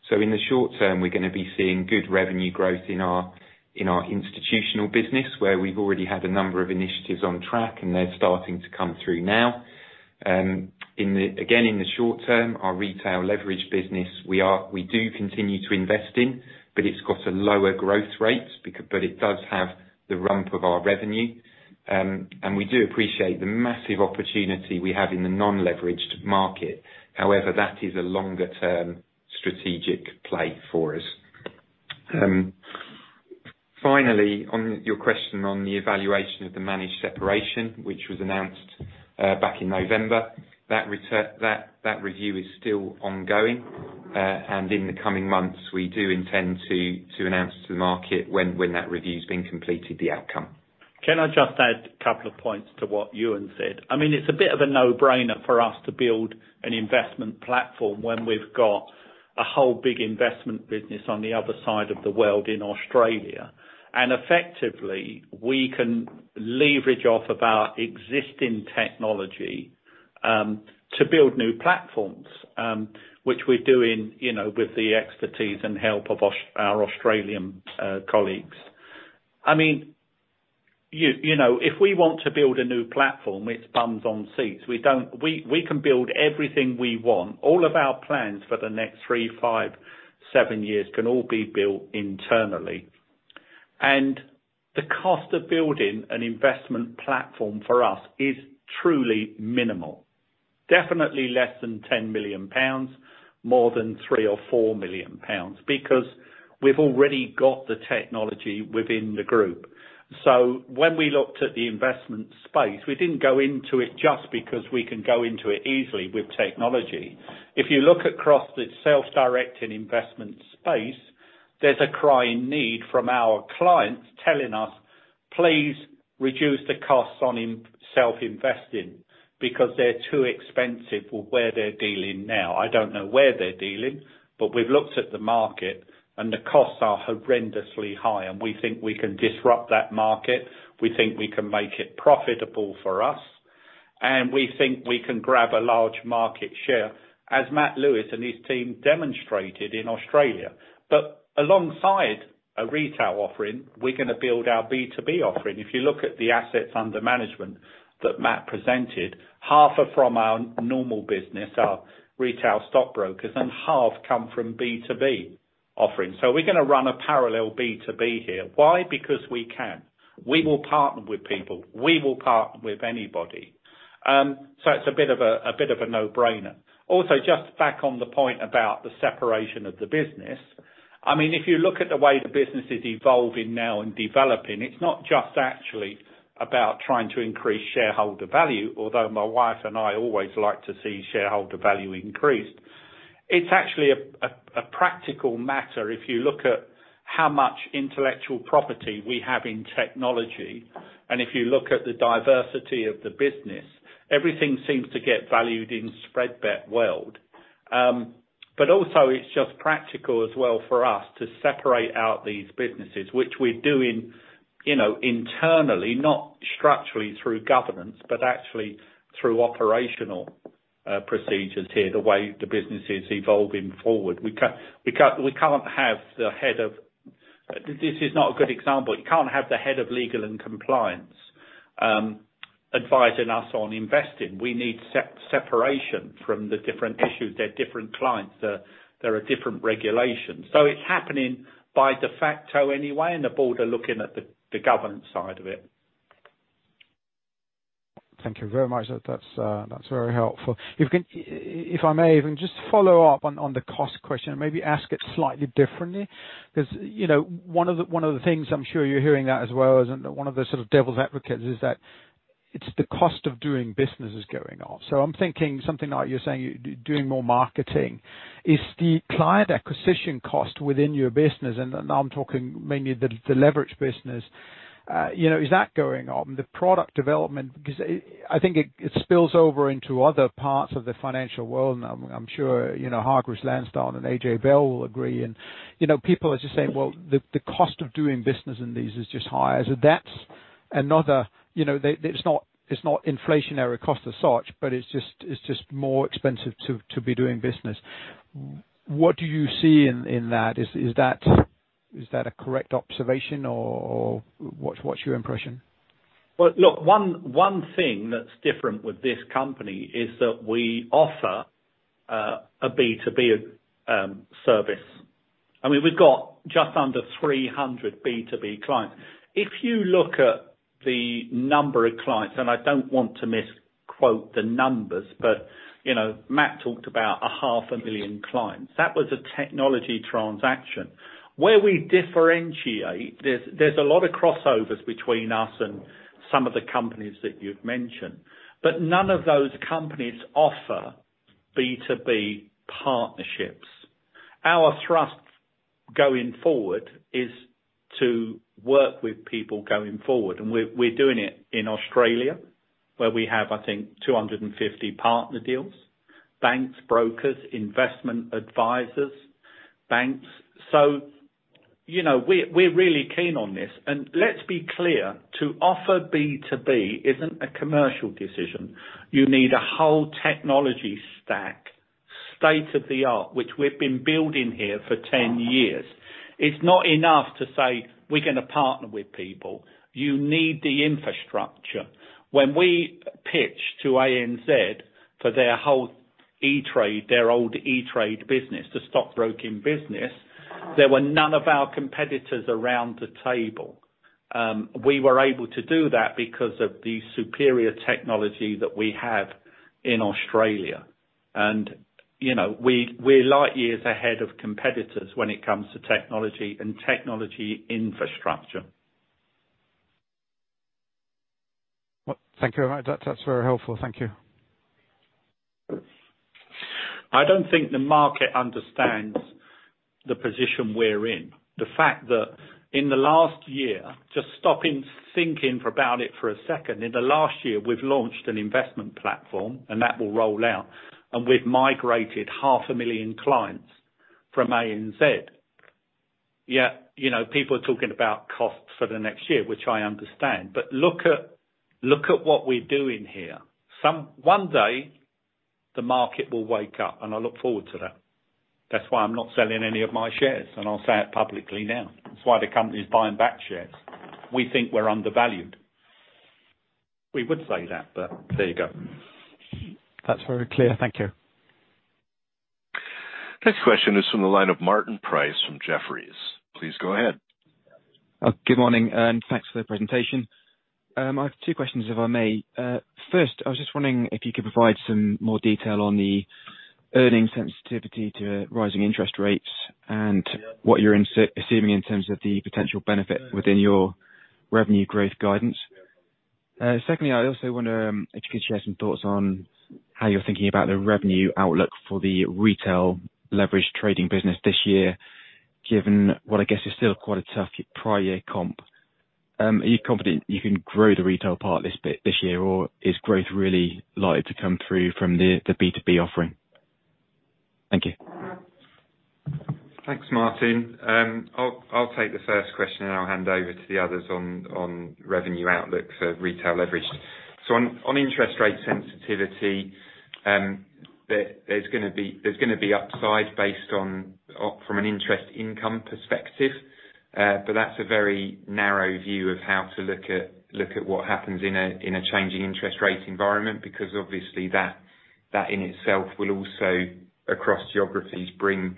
Speaker 3: In the short term, we're gonna be seeing good revenue growth in our institutional business, where we've already had a number of initiatives on track, and they're starting to come through now. In the short term, our retail leverage business, we do continue to invest in, but it's got a lower growth rate, but it does have the rump of our revenue. We do appreciate the massive opportunity we have in the non-leveraged market. However, that is a longer term strategic play for us. Finally, on your question on the evaluation of the managed separation, which was announced back in November, that review is still ongoing. In the coming months, we do intend to announce to the market when that review's been completed, the outcome.
Speaker 2: Can I just add a couple of points to what Euan said? I mean, it's a bit of a no-brainer for us to build an investment platform when we've got a whole big investment business on the other side of the world in Australia. Effectively, we can leverage off of our existing technology to build new platforms, which we're doing, you know, with the expertise and help of our Australian colleagues. I mean, you know, if we want to build a new platform, it's bums on seats. We can build everything we want. All of our plans for the next three, five, seven years can all be built internally. The cost of building an investment platform for us is truly minimal. Definitely less than 10 million pounds, more than 3 million or 4 million pounds, because we've already got the technology within the group. When we looked at the investment space, we didn't go into it just because we can go into it easily with technology. If you look across the self-directed investment space, there's a crying need from our clients telling us, "Please reduce the costs on self-investing because they're too expensive with where they're dealing now." I don't know where they're dealing, but we've looked at the market, and the costs are horrendously high, and we think we can disrupt that market. We think we can make it profitable for us, and we think we can grab a large market share, as Matthew Lewis and his team demonstrated in Australia. Alongside a retail offering, we're gonna build our B2B offering. If you look at the assets under management that Matt presented, half are from our normal business, our retail stockbrokers, and half come from B2B offerings. We're gonna run a parallel B2B here. Why? Because we can. We will partner with people. We will partner with anybody. It's a bit of a no-brainer. Also, just back on the point about the separation of the business. I mean, if you look at the way the business is evolving now and developing, it's not just actually about trying to increase shareholder value, although my wife and I always like to see shareholder value increased. It's actually a practical matter if you look at how much intellectual property we have in technology and if you look at the diversity of the business. Everything seems to get valued in spread bet world. Also it's just practical as well for us to separate out these businesses, which we're doing, you know, internally, not structurally through governance, but actually through operational procedures here, the way the business is evolving forward. We can't have the head of legal and compliance advising us on investing. This is not a good example. You can't have the head of legal and compliance advising us on investing. We need separation from the different issues. They're different clients. There are different regulations. It's happening by de facto anyway, and the board are looking at the governance side of it.
Speaker 6: Thank you very much. That's very helpful. If I may even just follow up on the cost question and maybe ask it slightly differently because, you know, one of the things I'm sure you're hearing that as well as one of the sort of devil's advocates is that it's the cost of doing business is going up. I'm thinking something like you saying you're doing more marketing. Is the client acquisition cost within your business, and now I'm talking mainly the leverage business, you know, is that going up? The product development. Because I think it spills over into other parts of the financial world, and I'm sure, you know, Hargreaves Lansdown and AJ Bell will agree. You know, people are just saying, "Well, the cost of doing business in these is just higher." So that's another, you know, it's not inflationary cost as such, but it's just more expensive to be doing business. What do you see in that? Is that a correct observation or what's your impression?
Speaker 2: Well, look, one thing that's different with this company is that we offer a B2B service. I mean, we've got just under 300 B2B clients. If you look at the number of clients, and I don't want to misquote the numbers, but you know, Matt talked about 500,000 clients. That was a technology transaction. Where we differentiate, there's a lot of crossovers between us and some of the companies that you've mentioned, but none of those companies offer B2B partnerships. Our thrust going forward is to work with people going forward. We're doing it in Australia where we have, I think, 250 partner deals, banks, brokers, investment advisors, banks. So, you know, we're really keen on this. Let's be clear, to offer B2B isn't a commercial decision. You need a whole technology stack, state-of-the-art, which we've been building here for 10 years. It's not enough to say we're gonna partner with people. You need the infrastructure. When we pitched to ANZ for their whole E*TRADE, their old E*TRADE business, the stockbroking business, there were none of our competitors around the table. We were able to do that because of the superior technology that we have in Australia. You know, we're light years ahead of competitors when it comes to technology and technology infrastructure.
Speaker 6: Well, thank you very much. That's very helpful. Thank you.
Speaker 2: I don't think the market understands the position we're in. The fact that in the last year, just stopping thinking about it for a second, in the last year, we've launched an investment platform, and that will roll out, and we've migrated 500,000 clients from ANZ. Yet, you know, people are talking about costs for the next year, which I understand. Look at what we're doing here. One day the market will wake up, and I look forward to that. That's why I'm not selling any of my shares, and I'll say it publicly now. That's why the company is buying back shares. We think we're undervalued. We would say that, but there you go.
Speaker 6: That's very clear. Thank you.
Speaker 1: Next question is from the line of Martin Price from Jefferies. Please go ahead.
Speaker 7: Good morning, and thanks for the presentation. I have two questions, if I may. First, I was just wondering if you could provide some more detail on the earnings sensitivity to rising interest rates and what you're assuming in terms of the potential benefit within your revenue growth guidance. Secondly, I also wonder if you could share some thoughts on how you're thinking about the revenue outlook for the retail leverage trading business this year, given what I guess is still quite a tough prior year comp. Are you confident you can grow the retail part this year, or is growth really likely to come through from the B2B offering? Thank you.
Speaker 2: Thanks, Martin. I'll take the first question, and I'll hand over to the others on revenue outlook for retail leverage. On interest rate sensitivity, there's gonna be upside based on from an interest income perspective. That's a very narrow view of how to look at what happens in a changing interest rate environment, because obviously that in itself will also across geographies bring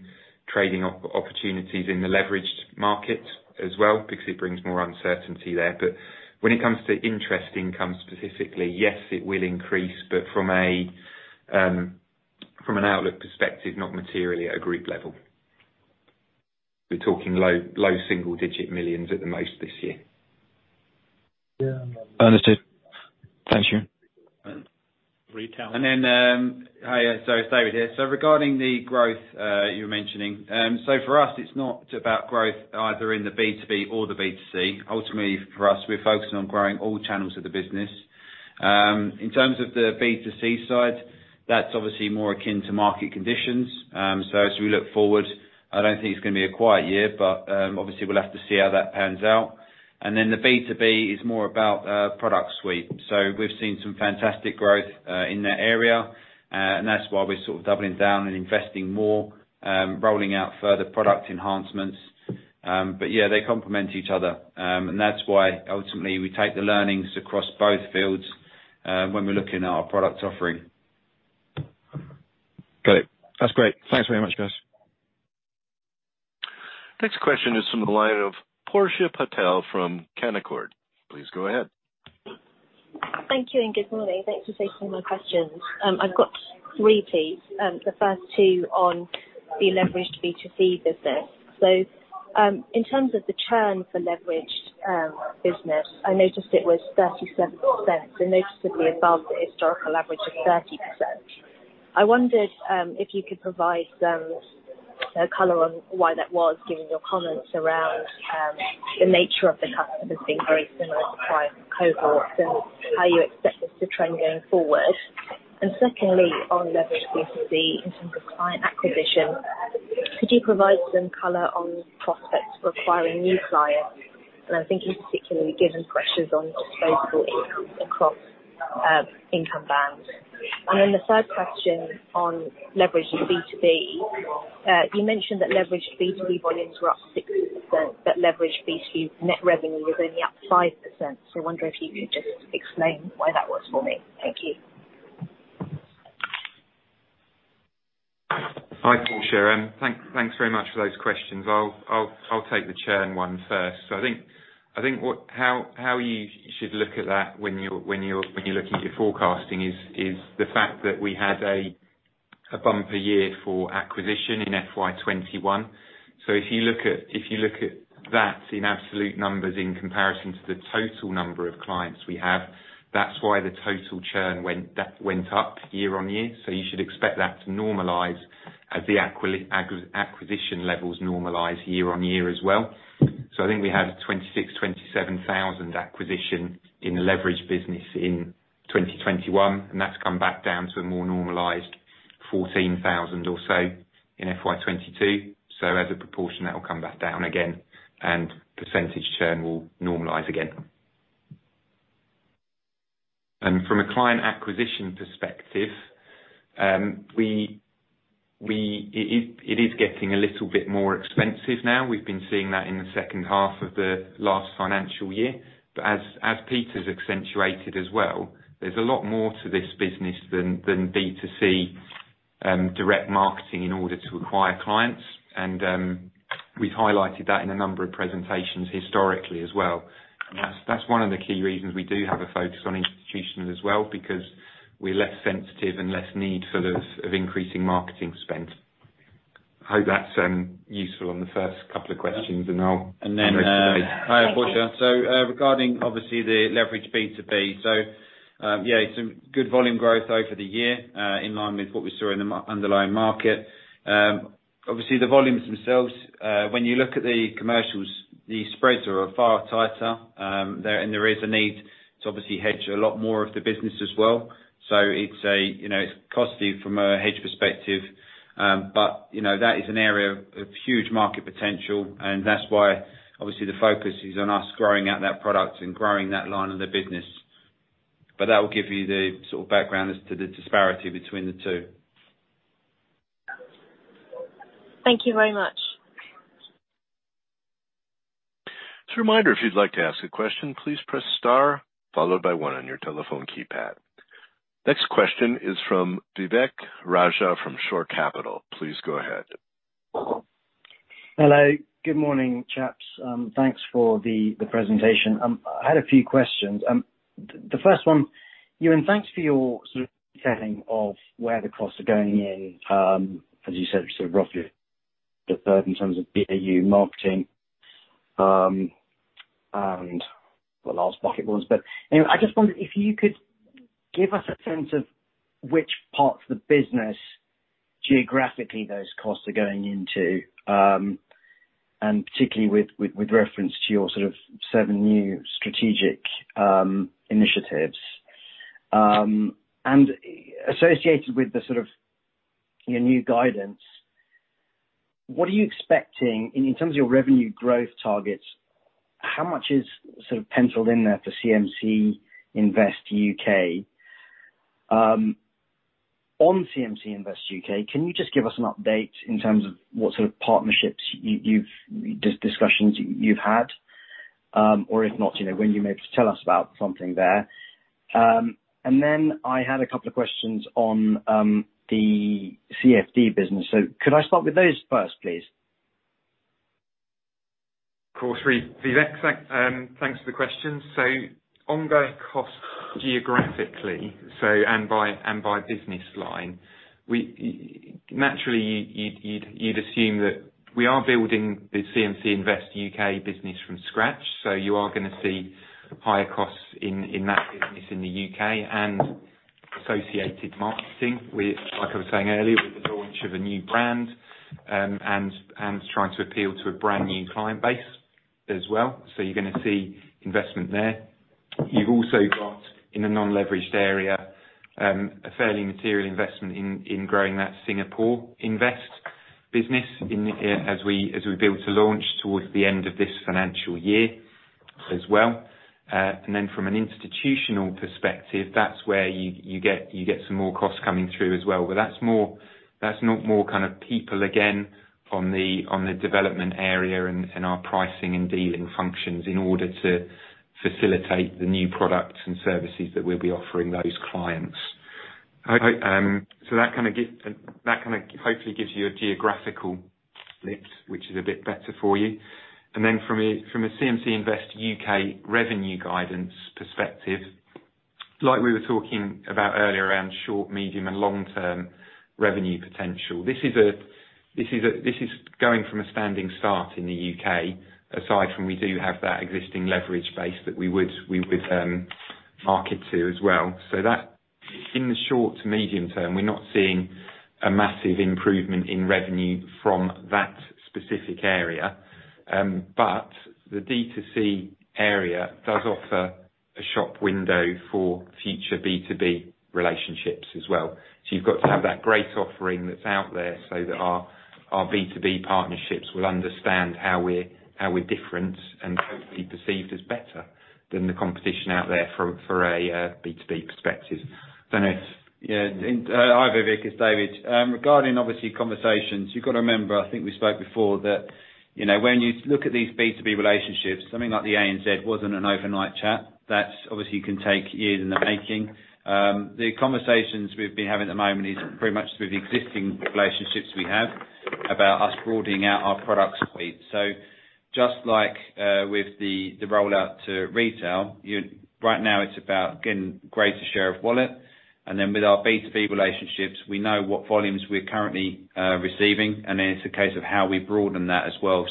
Speaker 2: trading opportunities in the leveraged market as well because it brings more uncertainty there. When it comes to interest income specifically, yes, it will increase. From an outlook perspective, not materially at a group level. We're talking low single digit millions at the most this year.
Speaker 7: Understood. Thank you.
Speaker 4: Hi. It's David here. Regarding the growth you were mentioning. For us it's not about growth either in the B2B or the B2C. Ultimately for us, we're focusing on growing all channels of the business. In terms of the B2C side, that's obviously more akin to market conditions. As we look forward, I don't think it's gonna be a quiet year, but obviously we'll have to see how that pans out. The B2B is more about product suite. We've seen some fantastic growth in that area, and that's why we're sort of doubling down and investing more, rolling out further product enhancements. Yeah, they complement each other. That's why ultimately we take the learnings across both fields, when we're looking at our product offering.
Speaker 7: Got it. That's great. Thanks very much, guys.
Speaker 1: Next question is from the line of Portia Patel from Canaccord Genuity. Please go ahead.
Speaker 8: Thank you and good morning. Thanks for taking my questions. I've got three, please. The first two on the leveraged B2C business. In terms of the churn for leveraged business, I noticed it was 37%, so noticeably above the historical average of 30%. I wondered if you could provide color on why that was, given your comments around the nature of the customer being very similar to prior cohorts and how you expect this to trend going forward. Secondly, on leveraged B2C, in terms of client acquisition, could you provide some color on prospects for acquiring new clients? I'm thinking particularly given pressures on disposable income across income bands. Then the third question on leveraged B2B. You mentioned that leveraged B2B volumes were up 6%, but leveraged B2B net revenue was only up 5%. I wonder if you could just explain why that was for me. Thank you.
Speaker 2: Hi, Portia. Thanks very much for those questions. I'll take the churn one first. I think how you should look at that when you're looking at your forecasting is the fact that we had a bumper year for acquisition in FY 2021. If you look at that in absolute numbers in comparison to the total number of clients we have, that's why the total churn went up year-on-year. You should expect that to normalize. As the acquisition levels normalize year on year as well. I think we had 26,000-27,000 acquisition in the leverage business in 2021, and that's come back down to a more normalized 14,000 or so in FY 2022. As a proportion, that will come back down again, and percentage churn will normalize again. From a client acquisition perspective, it is getting a little bit more expensive now. We've been seeing that in the second half of the last financial year. Peter's accentuated as well, there's a lot more to this business than B2C direct marketing in order to acquire clients. We've highlighted that in a number of presentations historically as well. That's one of the key reasons we do have a focus on institutional as well, because we're less sensitive and less need for those of increasing marketing spend. Hope that's useful on the first couple of questions, and I'll
Speaker 4: And then, uh-
Speaker 8: Thank you.
Speaker 4: Hi, Portia. Regarding obviously the leverage B2B. It's some good volume growth over the year in line with what we saw in the underlying market. Obviously the volumes themselves, when you look at the commercials, the spreads are far tighter there, and there is a need to obviously hedge a lot more of the business as well. It's a, you know, it's costly from a hedge perspective, but you know, that is an area of huge market potential, and that's why obviously the focus is on us growing out that product and growing that line of the business. That will give you the sort of background as to the disparity between the two.
Speaker 8: Thank you very much.
Speaker 1: Just a reminder, if you'd like to ask a question, please press star followed by one on your telephone keypad. Next question is from Vivek Raja from Shore Capital. Please go ahead.
Speaker 9: Hello, good morning, chaps. Thanks for the presentation. I had a few questions. The first one, Euan, thanks for your sort of sharing of where the costs are going in, as you said, sort of roughly the third in terms of BAU marketing, and what the last bucket was. Anyway, I just wondered if you could give us a sense of which parts of the business geographically those costs are going into, and particularly with reference to your sort of seven new strategic initiatives. Associated with the sort of your new guidance, what are you expecting in terms of your revenue growth targets, how much is sort of penciled in there for CMC Invest U.K.? On CMC Invest U.K., can you just give us an update in terms of what sort of partnerships you've... Discussions you've had? If not, you know, when you may be able to tell us about something there. I had a couple of questions on the CFD business. Could I start with those first, please?
Speaker 3: Of course, Vivek. Thanks for the questions. Ongoing costs geographically, and by business line, naturally you'd assume that we are building the CMC Invest UK business from scratch, so you are gonna see higher costs in that business in the U.K. and associated marketing. Like I was saying earlier, with the launch of a new brand, and trying to appeal to a brand new client base as well. You're gonna see investment there. You've also got, in the non-leveraged area, a fairly material investment in growing that Singapore Invest business, as we build to launch towards the end of this financial year as well. From an institutional perspective, that's where you get some more costs coming through as well. That's more, that's not more kind of people again, on the development area and our pricing and dealing functions in order to facilitate the new products and services that we'll be offering those clients. That kind of hopefully gives you a geographical split, which is a bit better for you. Then from a CMC Invest UK revenue guidance perspective, like we were talking about earlier around short, medium, and long-term revenue potential, this is going from a standing start in the U.K., aside from we do have that existing leverage base that we would market to as well. That in the short to medium term, we're not seeing a massive improvement in revenue from that specific area. The D2C area does offer a shop window for future B2B relationships as well. You've got to have that great offering that's out there so that our B2B partnerships will understand how we're different and hopefully perceived as better than the competition out there for a B2B perspective. Don't know if.
Speaker 4: Yeah. Hi Vivek, it's David. Regarding obviously conversations, you've got to remember, I think we spoke before that, you know, when you look at these B2B relationships, something like the ANZ wasn't an overnight chat. That obviously can take years in the making. The conversations we've been having at the moment is very much with the existing relationships we have about us broadening out our product suite. Just like with the rollout to retail, right now it's about getting greater share of wallet. Then with our B2B relationships, we know what volumes we're currently receiving, and then it's a case of how we broaden that as well.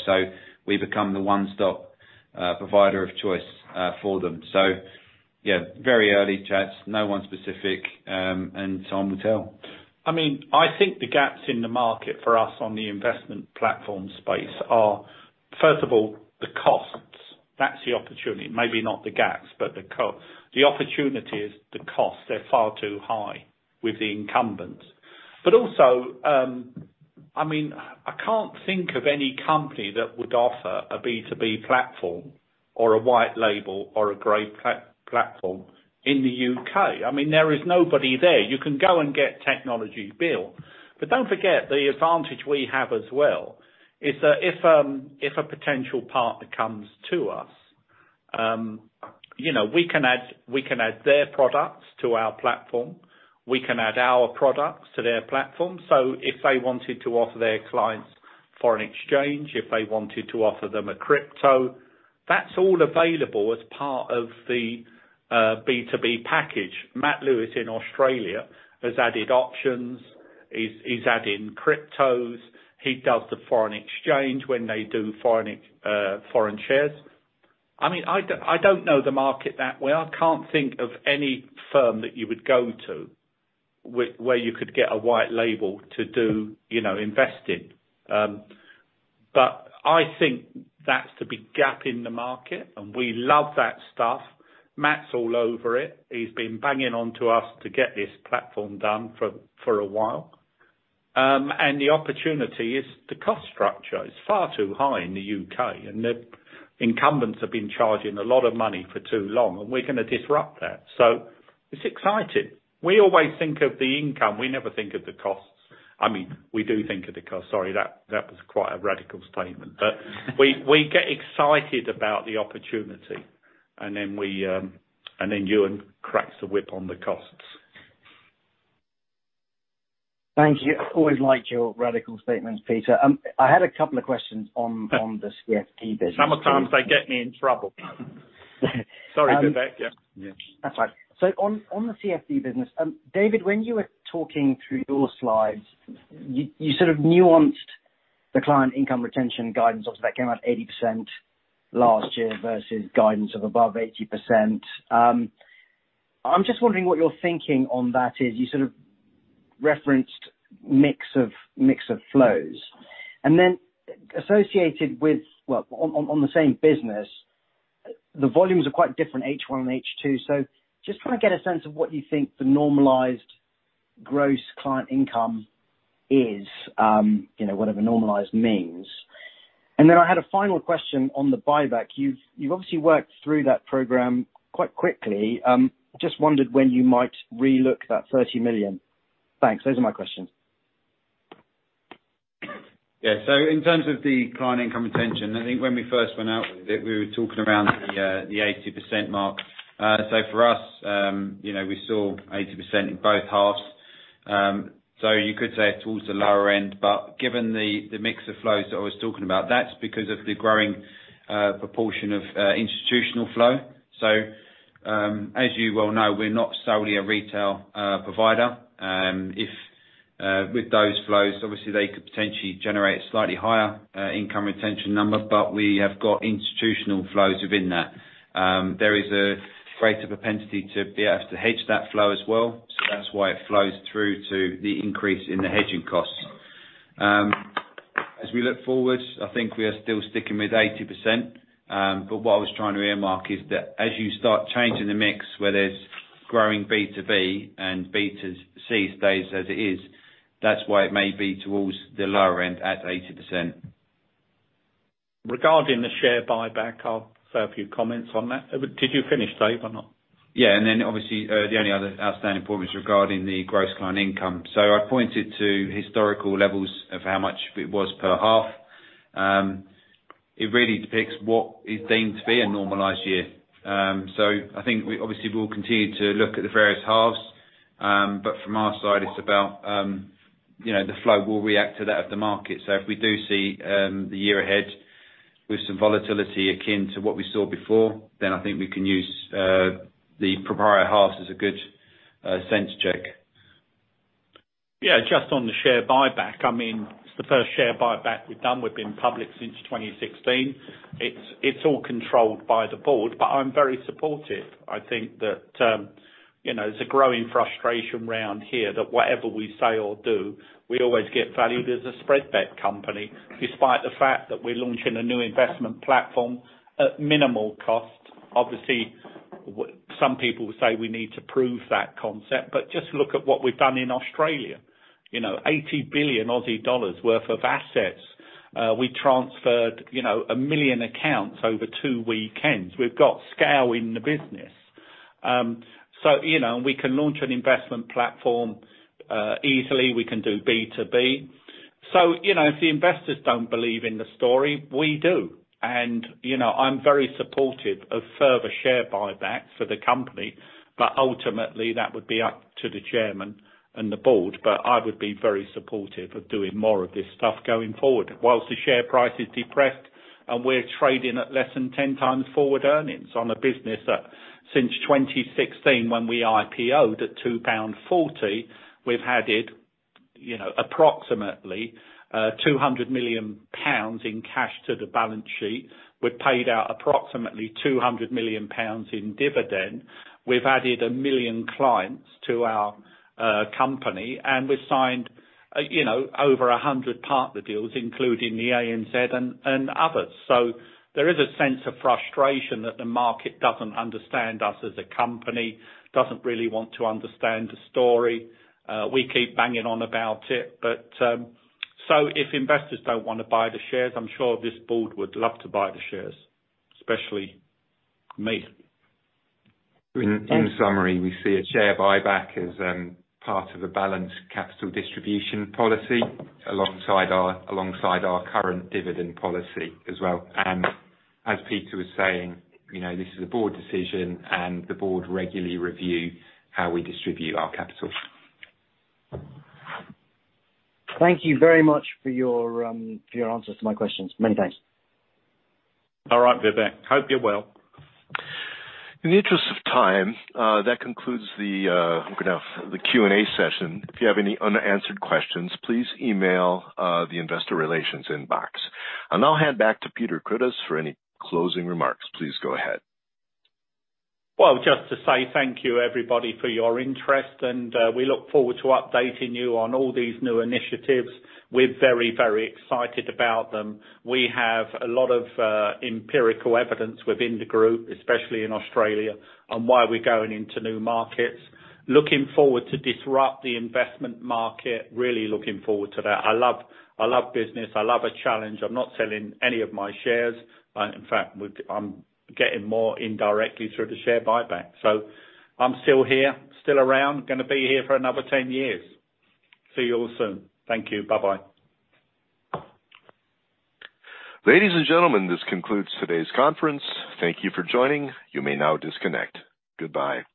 Speaker 4: We become the one-stop provider of choice for them. Yeah, very early chats, no one specific, and time will tell.
Speaker 2: I mean, I think the gaps in the market for us on the investment platform space are, first of all, the costs. That's the opportunity, maybe not the gaps, but the opportunities, the costs, they're far too high with the incumbents. But also, I mean, I can't think of any company that would offer a B2B platform or a white label or a gray platform in the U.K.. I mean, there is nobody there. You can go and get technology built. But don't forget, the advantage we have as well is that if a potential partner comes to us, you know, we can add their products to our platform, we can add our products to their platform. If they wanted to offer their clients foreign exchange, if they wanted to offer them a crypto, that's all available as part of the B2B package. Matthew Lewis in Australia has added options. He's adding cryptos. He does the foreign exchange when they do foreign shares. I mean, I don't know the market that way. I can't think of any firm that you would go to where you could get a white label to do, you know, investing. I think that's the big gap in the market, and we love that stuff. Matt's all over it. He's been banging on to us to get this platform done for a while. The opportunity is the cost structure. It's far too high in the U.K., and the incumbents have been charging a lot of money for too long, and we're gonna disrupt that. It's exciting. We always think of the income. We never think of the costs. I mean, we do think of the cost. Sorry, that was quite a radical statement. We get excited about the opportunity, and then Euan cracks the whip on the costs.
Speaker 9: Thank you. I always like your radical statements, Peter. I had a couple of questions on the CFD business.
Speaker 2: Sometimes they get me in trouble. Sorry, Vivek. Yeah.
Speaker 9: That's all right. On the CFD business, David, when you were talking through your slides, you sort of nuanced the client income retention guidance. Obviously, that came out 80% last year versus guidance of above 80%. I'm just wondering what your thinking on that is. You sort of referenced mix of flows. Then associated with, well, on the same business, the volumes are quite different H1 and H2. Just trying to get a sense of what you think the normalized gross client income is, you know, whatever normalized means. Then I had a final question on the buyback. You've obviously worked through that program quite quickly. Just wondered when you might re-look that 30 million. Thanks. Those are my questions.
Speaker 4: Yeah. In terms of the client income retention, I think when we first went out with it, we were talking around the 80% mark. For us, you know, we saw 80% in both halves. You could say towards the lower end, but given the mix of flows that I was talking about, that's because of the growing proportion of institutional flow. As you well know, we're not solely a retail provider. With those flows, obviously they could potentially generate slightly higher income retention numbers, but we have got institutional flows within that. There is a greater propensity to be able to hedge that flow as well, so that's why it flows through to the increase in the hedging costs. As we look forward, I think we are still sticking with 80%. What I was trying to earmark is that as you start changing the mix where there's growing B2B and B2C stays as it is, that's why it may be towards the lower end at 80%.
Speaker 2: Regarding the share buyback, I'll say a few comments on that. Did you finish, David, or not?
Speaker 4: Yeah. Then obviously, the only other outstanding point was regarding the gross client income. I pointed to historical levels of how much it was per half. It really depicts what is deemed to be a normalized year. I think we obviously will continue to look at the various halves. From our side, it's about, you know, the flow will react to that of the market. If we do see the year ahead with some volatility akin to what we saw before, then I think we can use the prior halves as a good sense check.
Speaker 2: Yeah. Just on the share buyback, I mean, it's the first share buyback we've done. We've been public since 2016. It's all controlled by the board, but I'm very supportive. I think that, you know, there's a growing frustration around here that whatever we say or do, we always get valued as a spreadbet company, despite the fact that we're launching a new investment platform at minimal cost. Obviously, some people say we need to prove that concept, but just look at what we've done in Australia. You know, 80 billion Aussie dollars worth of assets. We transferred, you know, 1 million accounts over two weekends. We've got scale in the business. You know, we can launch an investment platform easily. We can do B2B. You know, if the investors don't believe in the story, we do. You know, I'm very supportive of further share buybacks for the company, but ultimately that would be up to the chairman and the board. I would be very supportive of doing more of this stuff going forward. While the share price is depressed and we're trading at less than ten times forward earnings on a business that since 2016, when we IPO'd at 2.40 pound, we've added you know, approximately, 200 million pounds in cash to the balance sheet. We've paid out approximately 200 million pounds in dividend. We've added 1 million clients to our company, and we signed, you know, over 100 partner deals, including the ANZ and others. There is a sense of frustration that the market doesn't understand us as a company, doesn't really want to understand the story. We keep banging on about it, but if investors don't wanna buy the shares, I'm sure this board would love to buy the shares, especially me.
Speaker 3: In summary, we see a share buyback as part of a balanced capital distribution policy alongside our current dividend policy as well. As Peter was saying, you know, this is a board decision, and the board regularly review how we distribute our capital.
Speaker 9: Thank you very much for your answers to my questions. Many thanks.
Speaker 2: All right, Vivek. Hope you're well.
Speaker 1: In the interest of time, that concludes. I'm gonna have the Q&A session. If you have any unanswered questions, please email the Investor Relations inbox. I'll now hand back to Peter Cruddas for any closing remarks. Please go ahead.
Speaker 2: Well, just to say thank you everybody for your interest, and we look forward to updating you on all these new initiatives. We're very, very excited about them. We have a lot of empirical evidence within the group, especially in Australia, on why we're going into new markets. Looking forward to disrupt the investment market. Really looking forward to that. I love business. I love a challenge. I'm not selling any of my shares. In fact, I'm getting more indirectly through the share buyback. I'm still here, still around. Gonna be here for another 10 years. See you all soon. Thank you. Bye-bye.
Speaker 1: Ladies and gentlemen, this concludes today's conference. Thank you for joining. You may now disconnect. Goodbye.